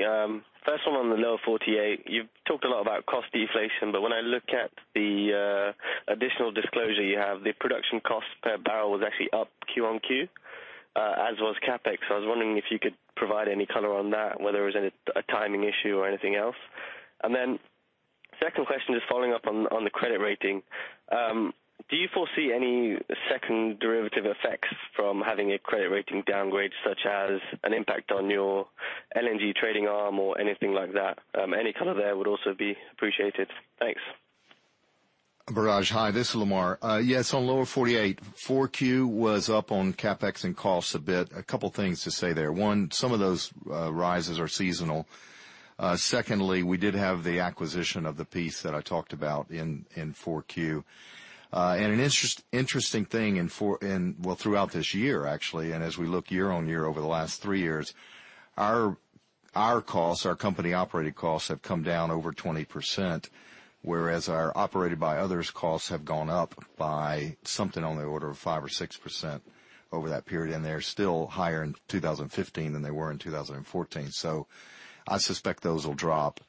First one on the Lower 48. You've talked a lot about cost deflation, when I look at the additional disclosure you have, the production cost per barrel was actually up Q1Q as was CapEx. I was wondering if you could provide any color on that, whether it was a timing issue or anything else. Second question, just following up on the credit rating. Do you foresee any second derivative effects from having a credit rating downgrade, such as an impact on your LNG trading arm or anything like that? Any color there would also be appreciated. Thanks. Biraj, hi. This is Lamar. Yes, on Lower 48, 4Q was up on CapEx and costs a bit. A couple of things to say there. One, some of those rises are seasonal. Secondly, we did have the acquisition of the piece that I talked about in 4Q. An interesting thing in, well, throughout this year, actually, as we look year-on-year over the last three years, our costs, our company-operated costs, have come down over 20%, whereas our operated by others costs have gone up by something on the order of 5% or 6% over that period, and they're still higher in 2015 than they were in 2014. I suspect those will drop.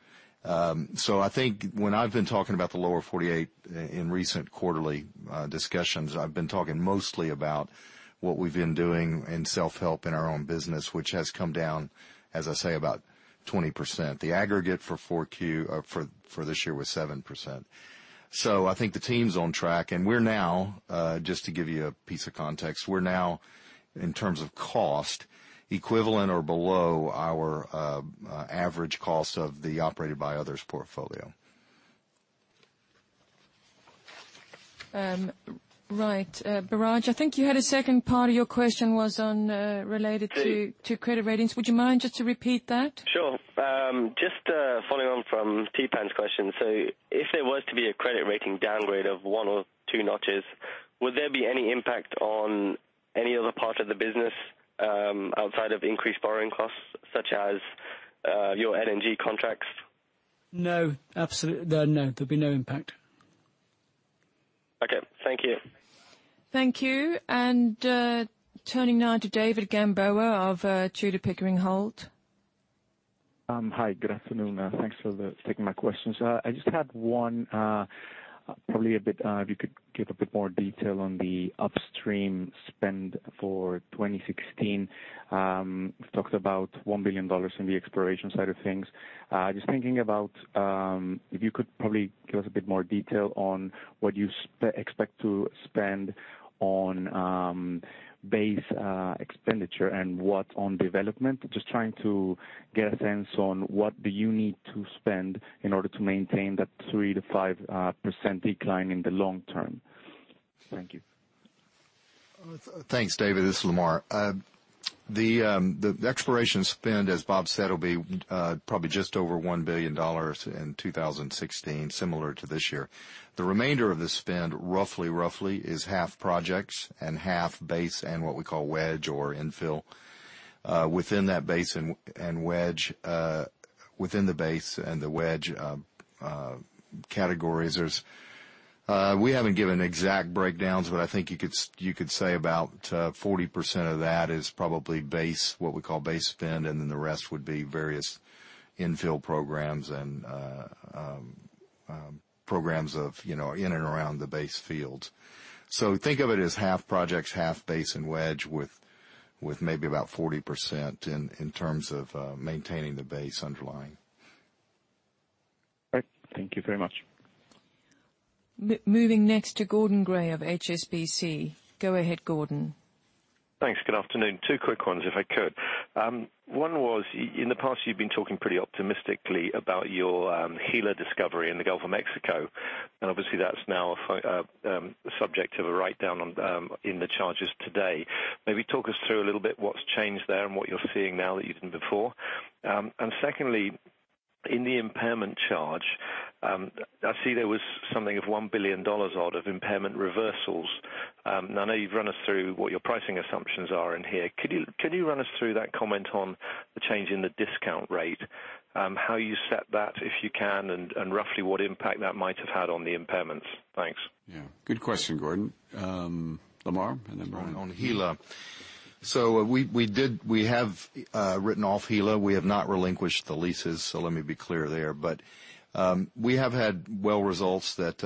I think when I've been talking about the Lower 48 in recent quarterly discussions, I've been talking mostly about what we've been doing in self-help in our own business, which has come down, as I say, about 20%. The aggregate for this year was 7%. I think the team's on track, and we're now, just to give you a piece of context, in terms of cost, equivalent or below our average cost of the operated by others portfolio. Right. Biraj, I think you had a second part of your question was related to credit ratings. Would you mind just to repeat that? Sure. Just following on from Theepan's question. If there was to be a credit rating downgrade of one or two notches, would there be any impact on any other part of the business outside of increased borrowing costs, such as your LNG contracts? No, absolutely no. There'd be no impact. Okay. Thank you. Thank you. Turning now to David Gamboa of Tudor, Pickering, Holt. Hi. Good afternoon. Thanks for taking my questions. I just had one, probably if you could give a bit more detail on the upstream spend for 2016. We've talked about GBP 1 billion in the exploration side of things. Just thinking about if you could probably give us a bit more detail on what you expect to spend on base expenditure and what on development. Just trying to get a sense on what do you need to spend in order to maintain that 3%-5% decline in the long term. Thank you. Thanks, David. This is Lamar. The exploration spend, as Bob said, will be probably just over GBP 1 billion in 2016, similar to this year. The remainder of the spend, roughly, is half projects and half base and what we call wedge or infill. Within the base and the wedge categories We haven't given exact breakdowns, but I think you could say about 40% of that is probably what we call base spend, and then the rest would be various infill programs and programs in and around the base fields. Think of it as half projects, half base and wedge, with maybe about 40% in terms of maintaining the base underlying. Right. Thank you very much. Moving next to Gordon Gray of HSBC. Go ahead, Gordon. Thanks. Good afternoon. Two quick ones, if I could. One was, in the past, you've been talking pretty optimistically about your Gila discovery in the Gulf of Mexico. Obviously, that's now subject to a write-down in the charges today. Maybe talk us through a little bit what's changed there and what you're seeing now that you didn't before. Secondly, in the impairment charge, I see there was something of GBP 1 billion odd of impairment reversals. I know you've run us through what your pricing assumptions are in here. Could you run us through that comment on the change in the discount rate? How you set that, if you can, and roughly what impact that might have had on the impairments? Thanks. Yeah. Good question, Gordon. Lamar and then Brian. On Gila. We have written off Gila. We have not relinquished the leases. Let me be clear there. We have had well results that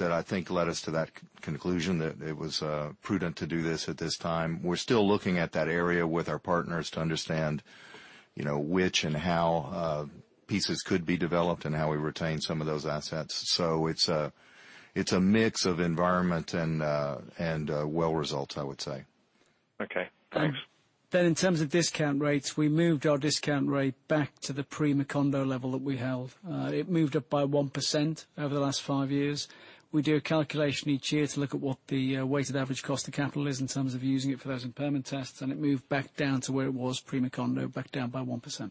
I think led us to that conclusion, that it was prudent to do this at this time. We're still looking at that area with our partners to understand which and how pieces could be developed and how we retain some of those assets. It's a mix of environment and well results, I would say. Okay. Thanks. In terms of discount rates, we moved our discount rate back to the pre-Macondo level that we held. It moved up by 1% over the last five years. We do a calculation each year to look at what the weighted average cost of capital is in terms of using it for those impairment tests. It moved back down to where it was pre-Macondo, back down by 1%.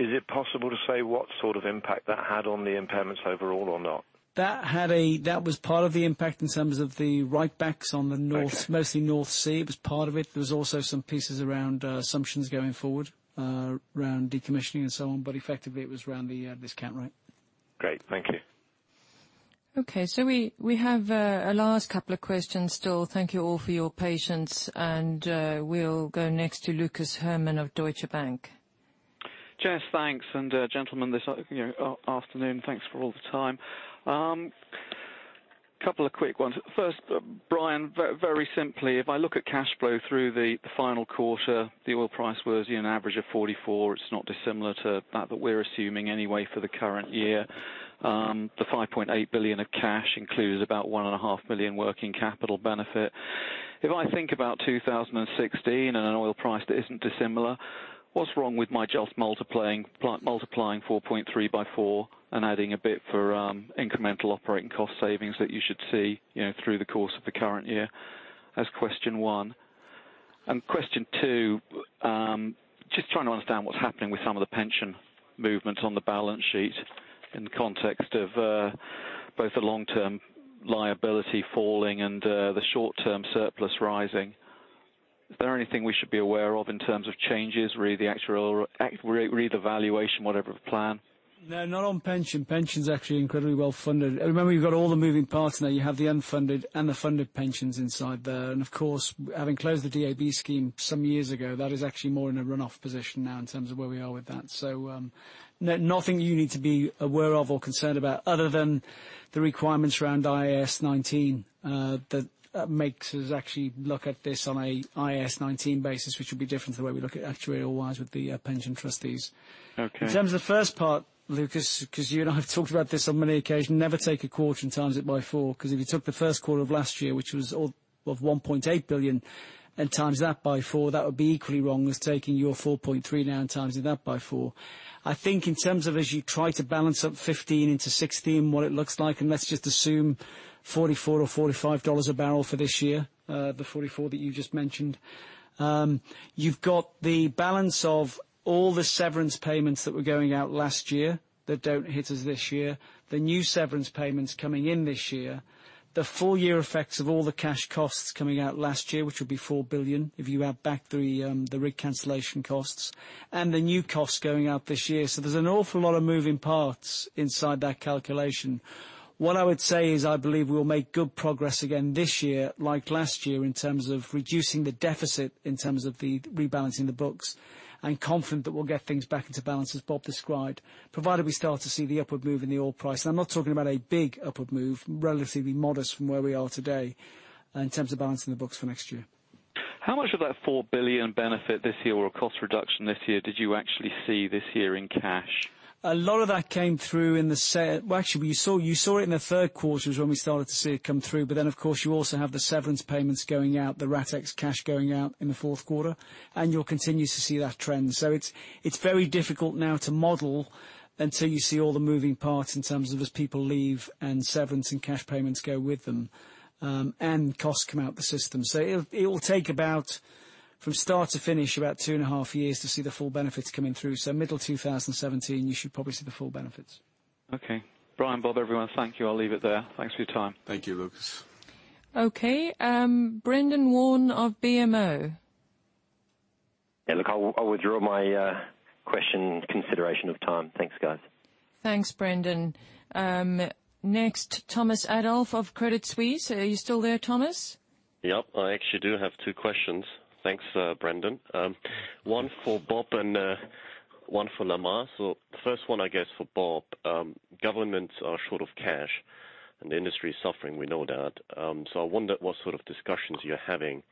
Is it possible to say what sort of impact that had on the impairments overall or not? That was part of the impact in terms of the write-backs on mostly North Sea. It was part of it. There was also some pieces around assumptions going forward around decommissioning and so on. Effectively, it was around the discount rate. Great. Thank you. Okay, we have our last couple of questions still. Thank you all for your patience. We'll go next to Lucas Herrmann of Deutsche Bank. Jess, thanks. Gentlemen this afternoon, thanks for all the time. Couple of quick ones. First, Brian, very simply, if I look at cash flow through the final quarter, the oil price was an average of 44. It's not dissimilar to that we're assuming anyway for the current year. The $5.8 billion of cash includes about $1.5 billion working capital benefit. If I think about 2016 and an oil price that isn't dissimilar, what's wrong with my just multiplying 4.3 by four and adding a bit for incremental operating cost savings that you should see through the course of the current year? That's question one. Question two, just trying to understand what's happening with some of the pension movements on the balance sheet in the context of both the long-term liability falling and the short-term surplus rising. Is there anything we should be aware of in terms of changes, re the valuation, whatever, plan? No, not on pension. Pension's actually incredibly well-funded. Remember, you've got all the moving parts now. You have the unfunded and the funded pensions inside there. Of course, having closed the DB scheme some years ago, that is actually more in a runoff position now in terms of where we are with that. Nothing you need to be aware of or concerned about other than the requirements around IAS 19, that makes us actually look at this on an IAS 19 basis, which will be different to the way we look at it actuarial-wise with the pension trustees. Okay. In terms of the first part, Lucas, because you and I have talked about this on many occasions. Never take a quarter and times it by four, because if you took the first quarter of last year, which was of $1.8 billion, and times that by four, that would be equally wrong as taking your 4.3 now and timesing that by four. I think in terms of as you try to balance up 2015 into 2016, what it looks like, and let's just assume $44 or $45 a barrel for this year, the $44 that you just mentioned. You've got the balance of all the severance payments that were going out last year, that don't hit us this year. The new severance payments coming in this year. The full year effects of all the cash costs coming out last year, which will be 4 billion if you add back the rig cancellation costs. The new costs going out this year. There's an awful lot of moving parts inside that calculation. What I would say is I believe we'll make good progress again this year, like last year, in terms of reducing the deficit, in terms of rebalancing the books. Confident that we'll get things back into balance, as Bob described, provided we start to see the upward move in the oil price. I'm not talking about a big upward move, relatively modest from where we are today in terms of balancing the books for next year. How much of that 4 billion benefit this year or cost reduction this year, did you actually see this year in cash? Well, actually, you saw it in the third quarter was when we started to see it come through. Of course, you also have the severance payments going out, the RatEx cash going out in the fourth quarter, and you'll continue to see that trend. It's very difficult now to model until you see all the moving parts in terms of as people leave and severance and cash payments go with them, and costs come out the system. It will take about, from start to finish, about two and a half years to see the full benefits coming through. Middle 2017, you should probably see the full benefits. Okay. Brian, Bob, everyone, thank you. I'll leave it there. Thanks for your time. Thank you, Lucas. Okay. Brendan Warn of BMO. Yeah, look, I'll withdraw my question in consideration of time. Thanks, guys. Thanks, Brendan. Next, Thomas Adolff of Credit Suisse. Are you still there, Thomas? Yes. I actually do have two questions. Thanks, Brendan Warn. One for Bob Dudley and one for Lamar McKay. The first one, I guess, for Bob Dudley. Governments are short of cash, and the industry is suffering, we know that. I wonder what sort of discussions you're having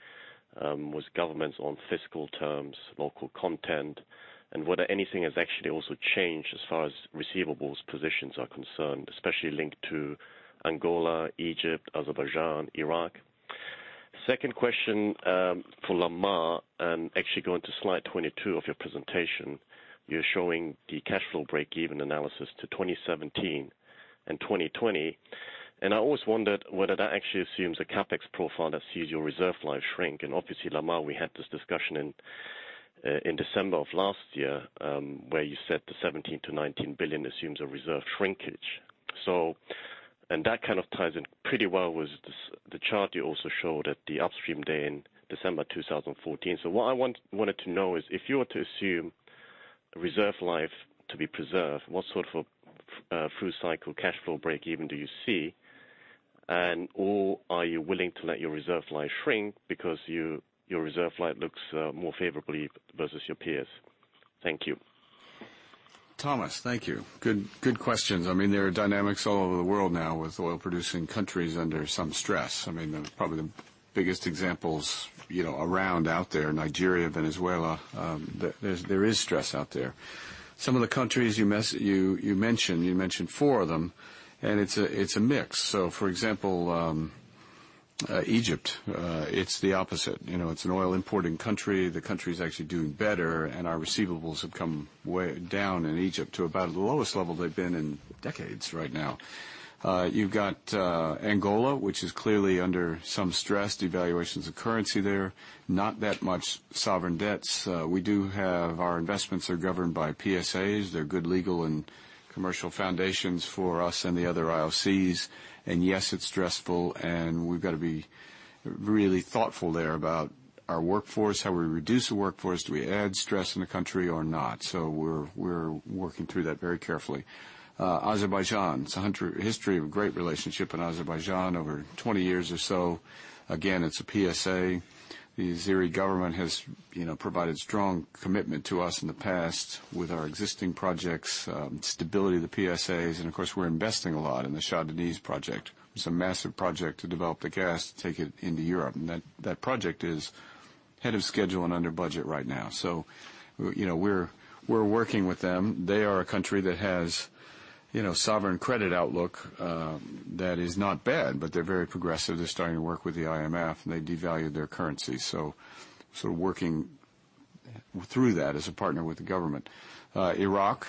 with governments on fiscal terms, local content, and whether anything has actually also changed as far as receivables positions are concerned, especially linked to Angola, Egypt, Azerbaijan, Iraq. Second question for Lamar McKay, actually going to slide 22 of your presentation. You're showing the cash flow breakeven analysis to 2017 and 2020, and I always wondered whether that actually assumes a CapEx profile that sees your reserve life shrink. And obviously, Lamar McKay, we had this discussion in December of last year, where you said the 17 billion-19 billion assumes a reserve shrinkage. That kind of ties in pretty well with the chart you also showed at the upstream day in December 2014. What I wanted to know is if you were to assume reserve life to be preserved, what sort of full-cycle cash flow breakeven do you see? Are you willing to let your reserve life shrink because your reserve life looks more favorably versus your peers? Thank you. Thomas Adolff, thank you. Good questions. There are dynamics all over the world now with oil-producing countries under some stress. Probably the biggest examples around out there, Nigeria, Venezuela. There is stress out there. Some of the countries you mentioned, you mentioned four of them, it's a mix. For example, Egypt it's the opposite. It's an oil-importing country. The country is actually doing better, and our receivables have come way down in Egypt to about the lowest level they've been in decades right now. You've got Angola, which is clearly under some stress. Devaluations of currency there, not that much sovereign debts. We do have our investments are governed by PSAs. They're good legal and commercial foundations for us and the other IOCs. Yes, it's stressful, and we've got to be really thoughtful there about our workforce, how we reduce the workforce. Do we add stress in the country or not? We're working through that very carefully. Azerbaijan. It's a history of a great relationship in Azerbaijan over 20 years or so. Again, it's a PSA. The Azeri government has provided strong commitment to us in the past with our existing projects, stability of the PSAs, and of course, we're investing a lot in the Shah Deniz project. It's a massive project to develop the gas to take it into Europe, and that project is ahead of schedule and under budget right now. We're working with them. They are a country that has sovereign credit outlook that is not bad, but they're very progressive. They're starting to work with the IMF, and they devalued their currency. Working through that as a partner with the government. Iraq.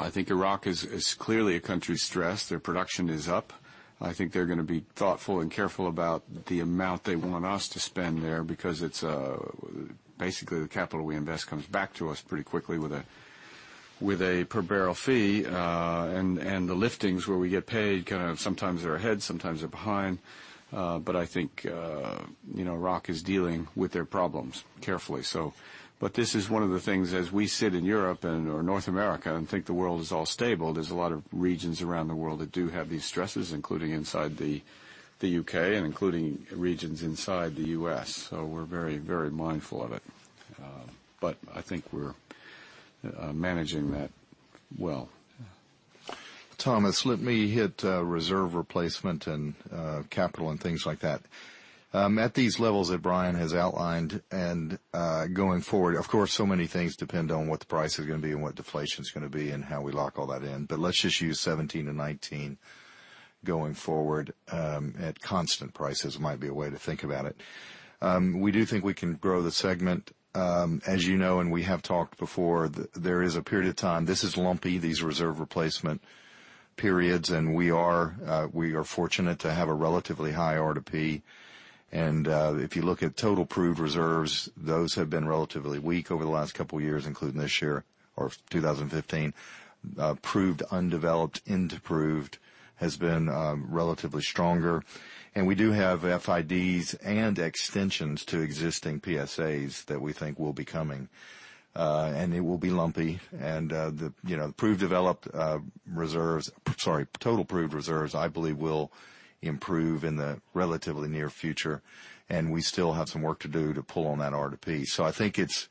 I think Iraq is clearly a country stressed. Their production is up. I think they're going to be thoughtful and careful about the amount they want us to spend there because it's basically the capital we invest comes back to us pretty quickly with a per-barrel fee. The liftings where we get paid kind of sometimes they're ahead, sometimes they're behind. I think Iraq is dealing with their problems carefully. This is one of the things as we sit in Europe or North America and think the world is all stable, there's a lot of regions around the world that do have these stresses, including inside the U.K. and including regions inside the U.S. We're very mindful of it. I think we're managing that well. Thomas, let me hit reserve replacement and capital and things like that. At these levels that Brian has outlined and going forward, of course, so many things depend on what the price is going to be and what deflation is going to be and how we lock all that in. Let's just use 2017 to 2019 going forward at constant prices might be a way to think about it. We do think we can grow the segment. As you know and we have talked before, there is a period of time. This is lumpy, these reserve replacement periods, and we are fortunate to have a relatively high R2P. If you look at total proved reserves, those have been relatively weak over the last couple of years, including this year or 2015. Proved undeveloped into proved has been relatively stronger. We do have FIDs and extensions to existing PSAs that we think will be coming. It will be lumpy. The proved developed reserves, sorry, total proved reserves, I believe, will improve in the relatively near future. We still have some work to do to pull on that R2P. I think it's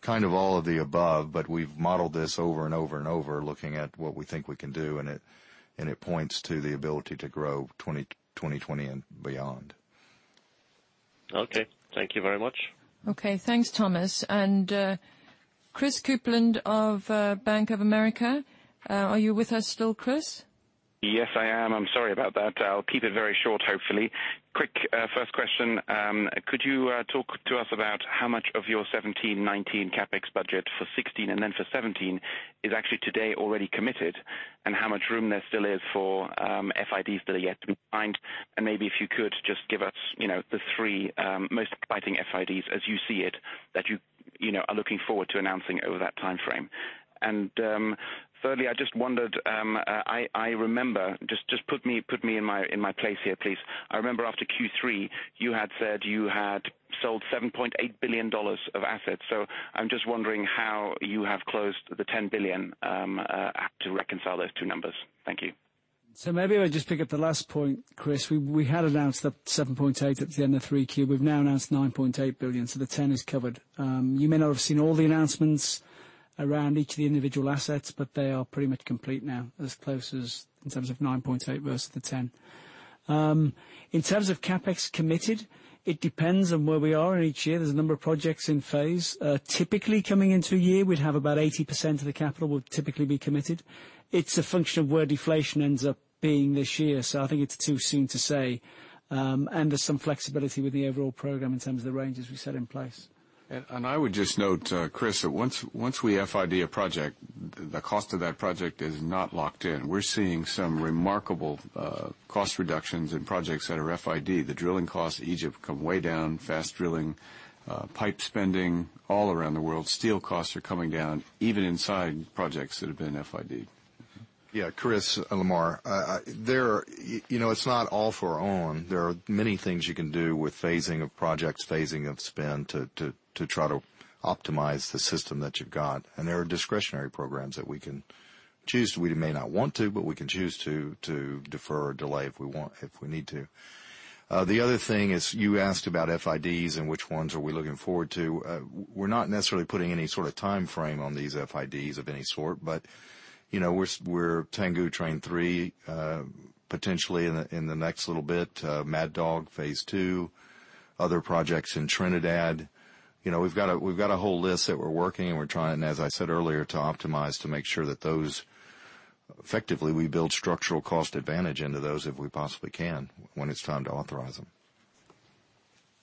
kind of all of the above, but we've modeled this over and over and over looking at what we think we can do, and it points to the ability to grow 2020 and beyond. Okay. Thank you very much. Okay. Thanks, Thomas. Christopher Kuplent of Bank of America. Are you with us still, Chris? Yes, I am. I'm sorry about that. I'll keep it very short, hopefully. Quick first question. Could you talk to us about how much of your 2017, 2019 CapEx budget for 2016 and then for 2017 is actually today already committed, and how much room there still is for FIDs that are yet to be signed? Maybe if you could just give us the three most exciting FIDs as you see it that you- Are looking forward to announcing over that timeframe. Thirdly, I just wondered, I remember, just put me in my place here, please. I remember after Q3, you had said you had sold $7.8 billion of assets. I'm just wondering how you have closed the $10 billion to reconcile those two numbers. Thank you. Maybe I just pick up the last point, Chris. We had announced that $7.8 at the end of 3Q. We've now announced $9.8 billion, so the $10 is covered. You may not have seen all the announcements around each of the individual assets, but they are pretty much complete now, as close as in terms of $9.8 versus the $10. In terms of CapEx committed, it depends on where we are in each year. There's a number of projects in phase. Typically, coming into a year, we'd have about 80% of the capital would typically be committed. It's a function of where deflation ends up being this year, so I think it's too soon to say. There's some flexibility with the overall program in terms of the ranges we set in place. I would just note, Chris, that once we FID a project, the cost of that project is not locked in. We're seeing some remarkable cost reductions in projects that are FID. The drilling costs in Egypt have come way down, fast drilling, pipe spending all around the world. Steel costs are coming down even inside projects that have been FID. Yeah, Chris Lamar, it's not off or on. There are many things you can do with phasing of projects, phasing of spend, to try to optimize the system that you've got. There are discretionary programs that we can choose. We may not want to, but we can choose to defer or delay if we need to. The other thing is you asked about FIDs and which ones are we looking forward to. We're not necessarily putting any sort of timeframe on these FIDs of any sort, but we're Tangguh Train 3 potentially in the next little bit, Mad Dog Phase 2, other projects in Trinidad. We've got a whole list that we're working. We're trying, as I said earlier, to optimize to make sure that those effectively we build structural cost advantage into those if we possibly can when it's time to authorize them.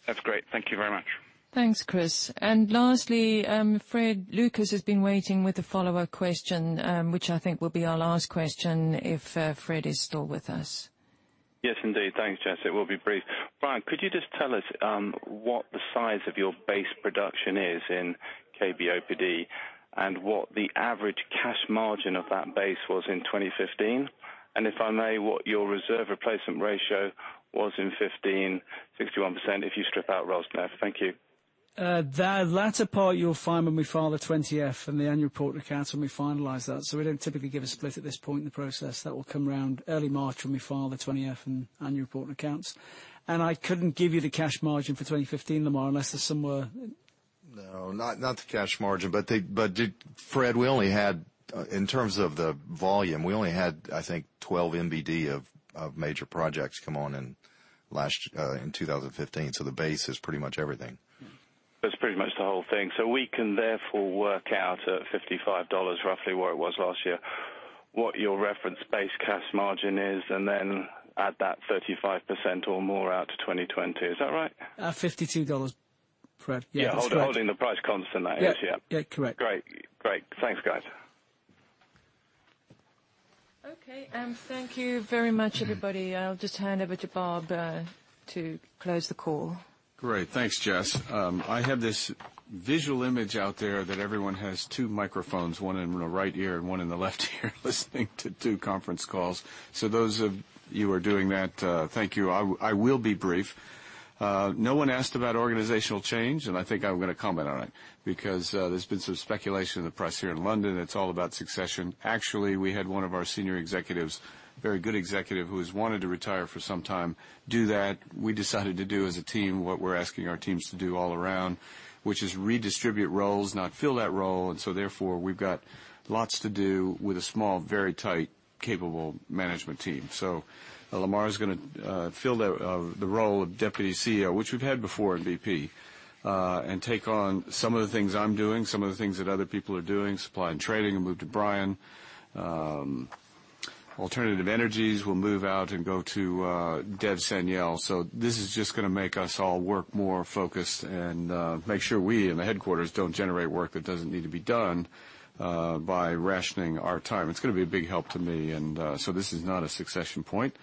That's great. Thank you very much. Thanks, Chris. Lastly, Frederick Lucas has been waiting with a follow-up question, which I think will be our last question if Fred is still with us. Yes, indeed. Thanks, Jess. It will be brief. Brian, could you just tell us what the size of your base production is in KBOPD and what the average cash margin of that base was in 2015? If I may, what your reserve replacement ratio was in 2015, 61%, if you strip out Rosneft. Thank you. The latter part you'll find when we file the 20F and the annual report accounts, when we finalize that. We don't typically give a split at this point in the process. That will come around early March when we file the 20F and annual report accounts. I couldn't give you the cash margin for 2015, Lamar, unless there's somewhere No, not the cash margin, Fred, in terms of the volume, we only had, I think, 12 MBD of major projects come on in 2015. The base is pretty much everything. That's pretty much the whole thing. We can therefore work out at GBP 55, roughly where it was last year, what your reference base cash margin is, and then add that 35% or more out to 2020. Is that right? $52, Fred. Yeah. Yeah, holding the price constant, I guess. Yeah. Yeah. Correct. Great. Thanks, guys. Okay. Thank you very much, everybody. I'll just hand over to Bob to close the call. Great. Thanks, Jess. I have this visual image out there that everyone has two microphones, one in the right ear and one in the left ear, listening to two conference calls. Those of you who are doing that, thank you. I will be brief. No one asked about organizational change. I think I'm going to comment on it because there's been some speculation in the press here in London. It's all about succession. Actually, we had one of our senior executives, a very good executive who has wanted to retire for some time, do that. We decided to do as a team what we're asking our teams to do all around, which is redistribute roles, not fill that role. Therefore, we've got lots to do with a small, very tight, capable management team. Lamar is going to fill the role of Deputy CEO, which we've had before in BP, and take on some of the things I'm doing, some of the things that other people are doing. Supply and trading will move to Brian. Alternative energies will move out and go to Dev Sanyal. This is just going to make us all work more focused and make sure we in the headquarters don't generate work that doesn't need to be done by rationing our time. It's going to be a big help to me. This is not a succession point.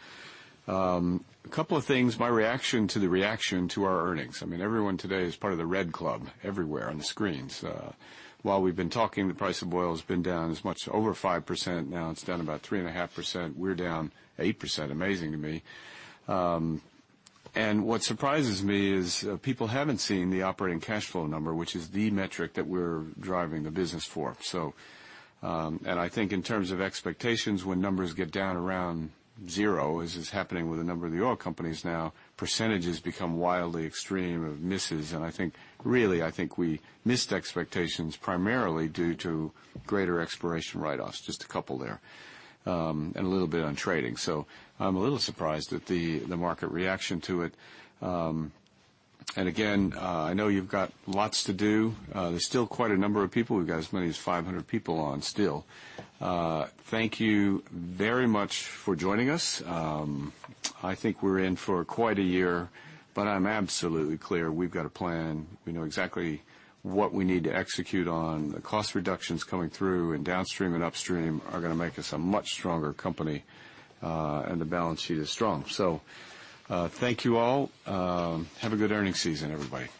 A couple of things. My reaction to the reaction to our earnings. I mean, everyone today is part of the red club everywhere on the screens. While we've been talking, the price of oil has been down as much over 5%. Now it's down about 3.5%. We're down 8%. Amazing to me. What surprises me is people haven't seen the operating cash flow number, which is the metric that we're driving the business for. I think in terms of expectations, when numbers get down around zero, as is happening with a number of the oil companies now, percentages become wildly extreme of misses. I think really, I think we missed expectations primarily due to greater exploration write-offs, just a couple there, and a little bit on trading. I'm a little surprised at the market reaction to it. Again, I know you've got lots to do. There's still quite a number of people. We've got as many as 500 people on still. Thank you very much for joining us. I think we're in for quite a year, I'm absolutely clear we've got a plan. We know exactly what we need to execute on. The cost reductions coming through in downstream and upstream are going to make us a much stronger company. The balance sheet is strong. Thank you all. Have a good earnings season, everybody.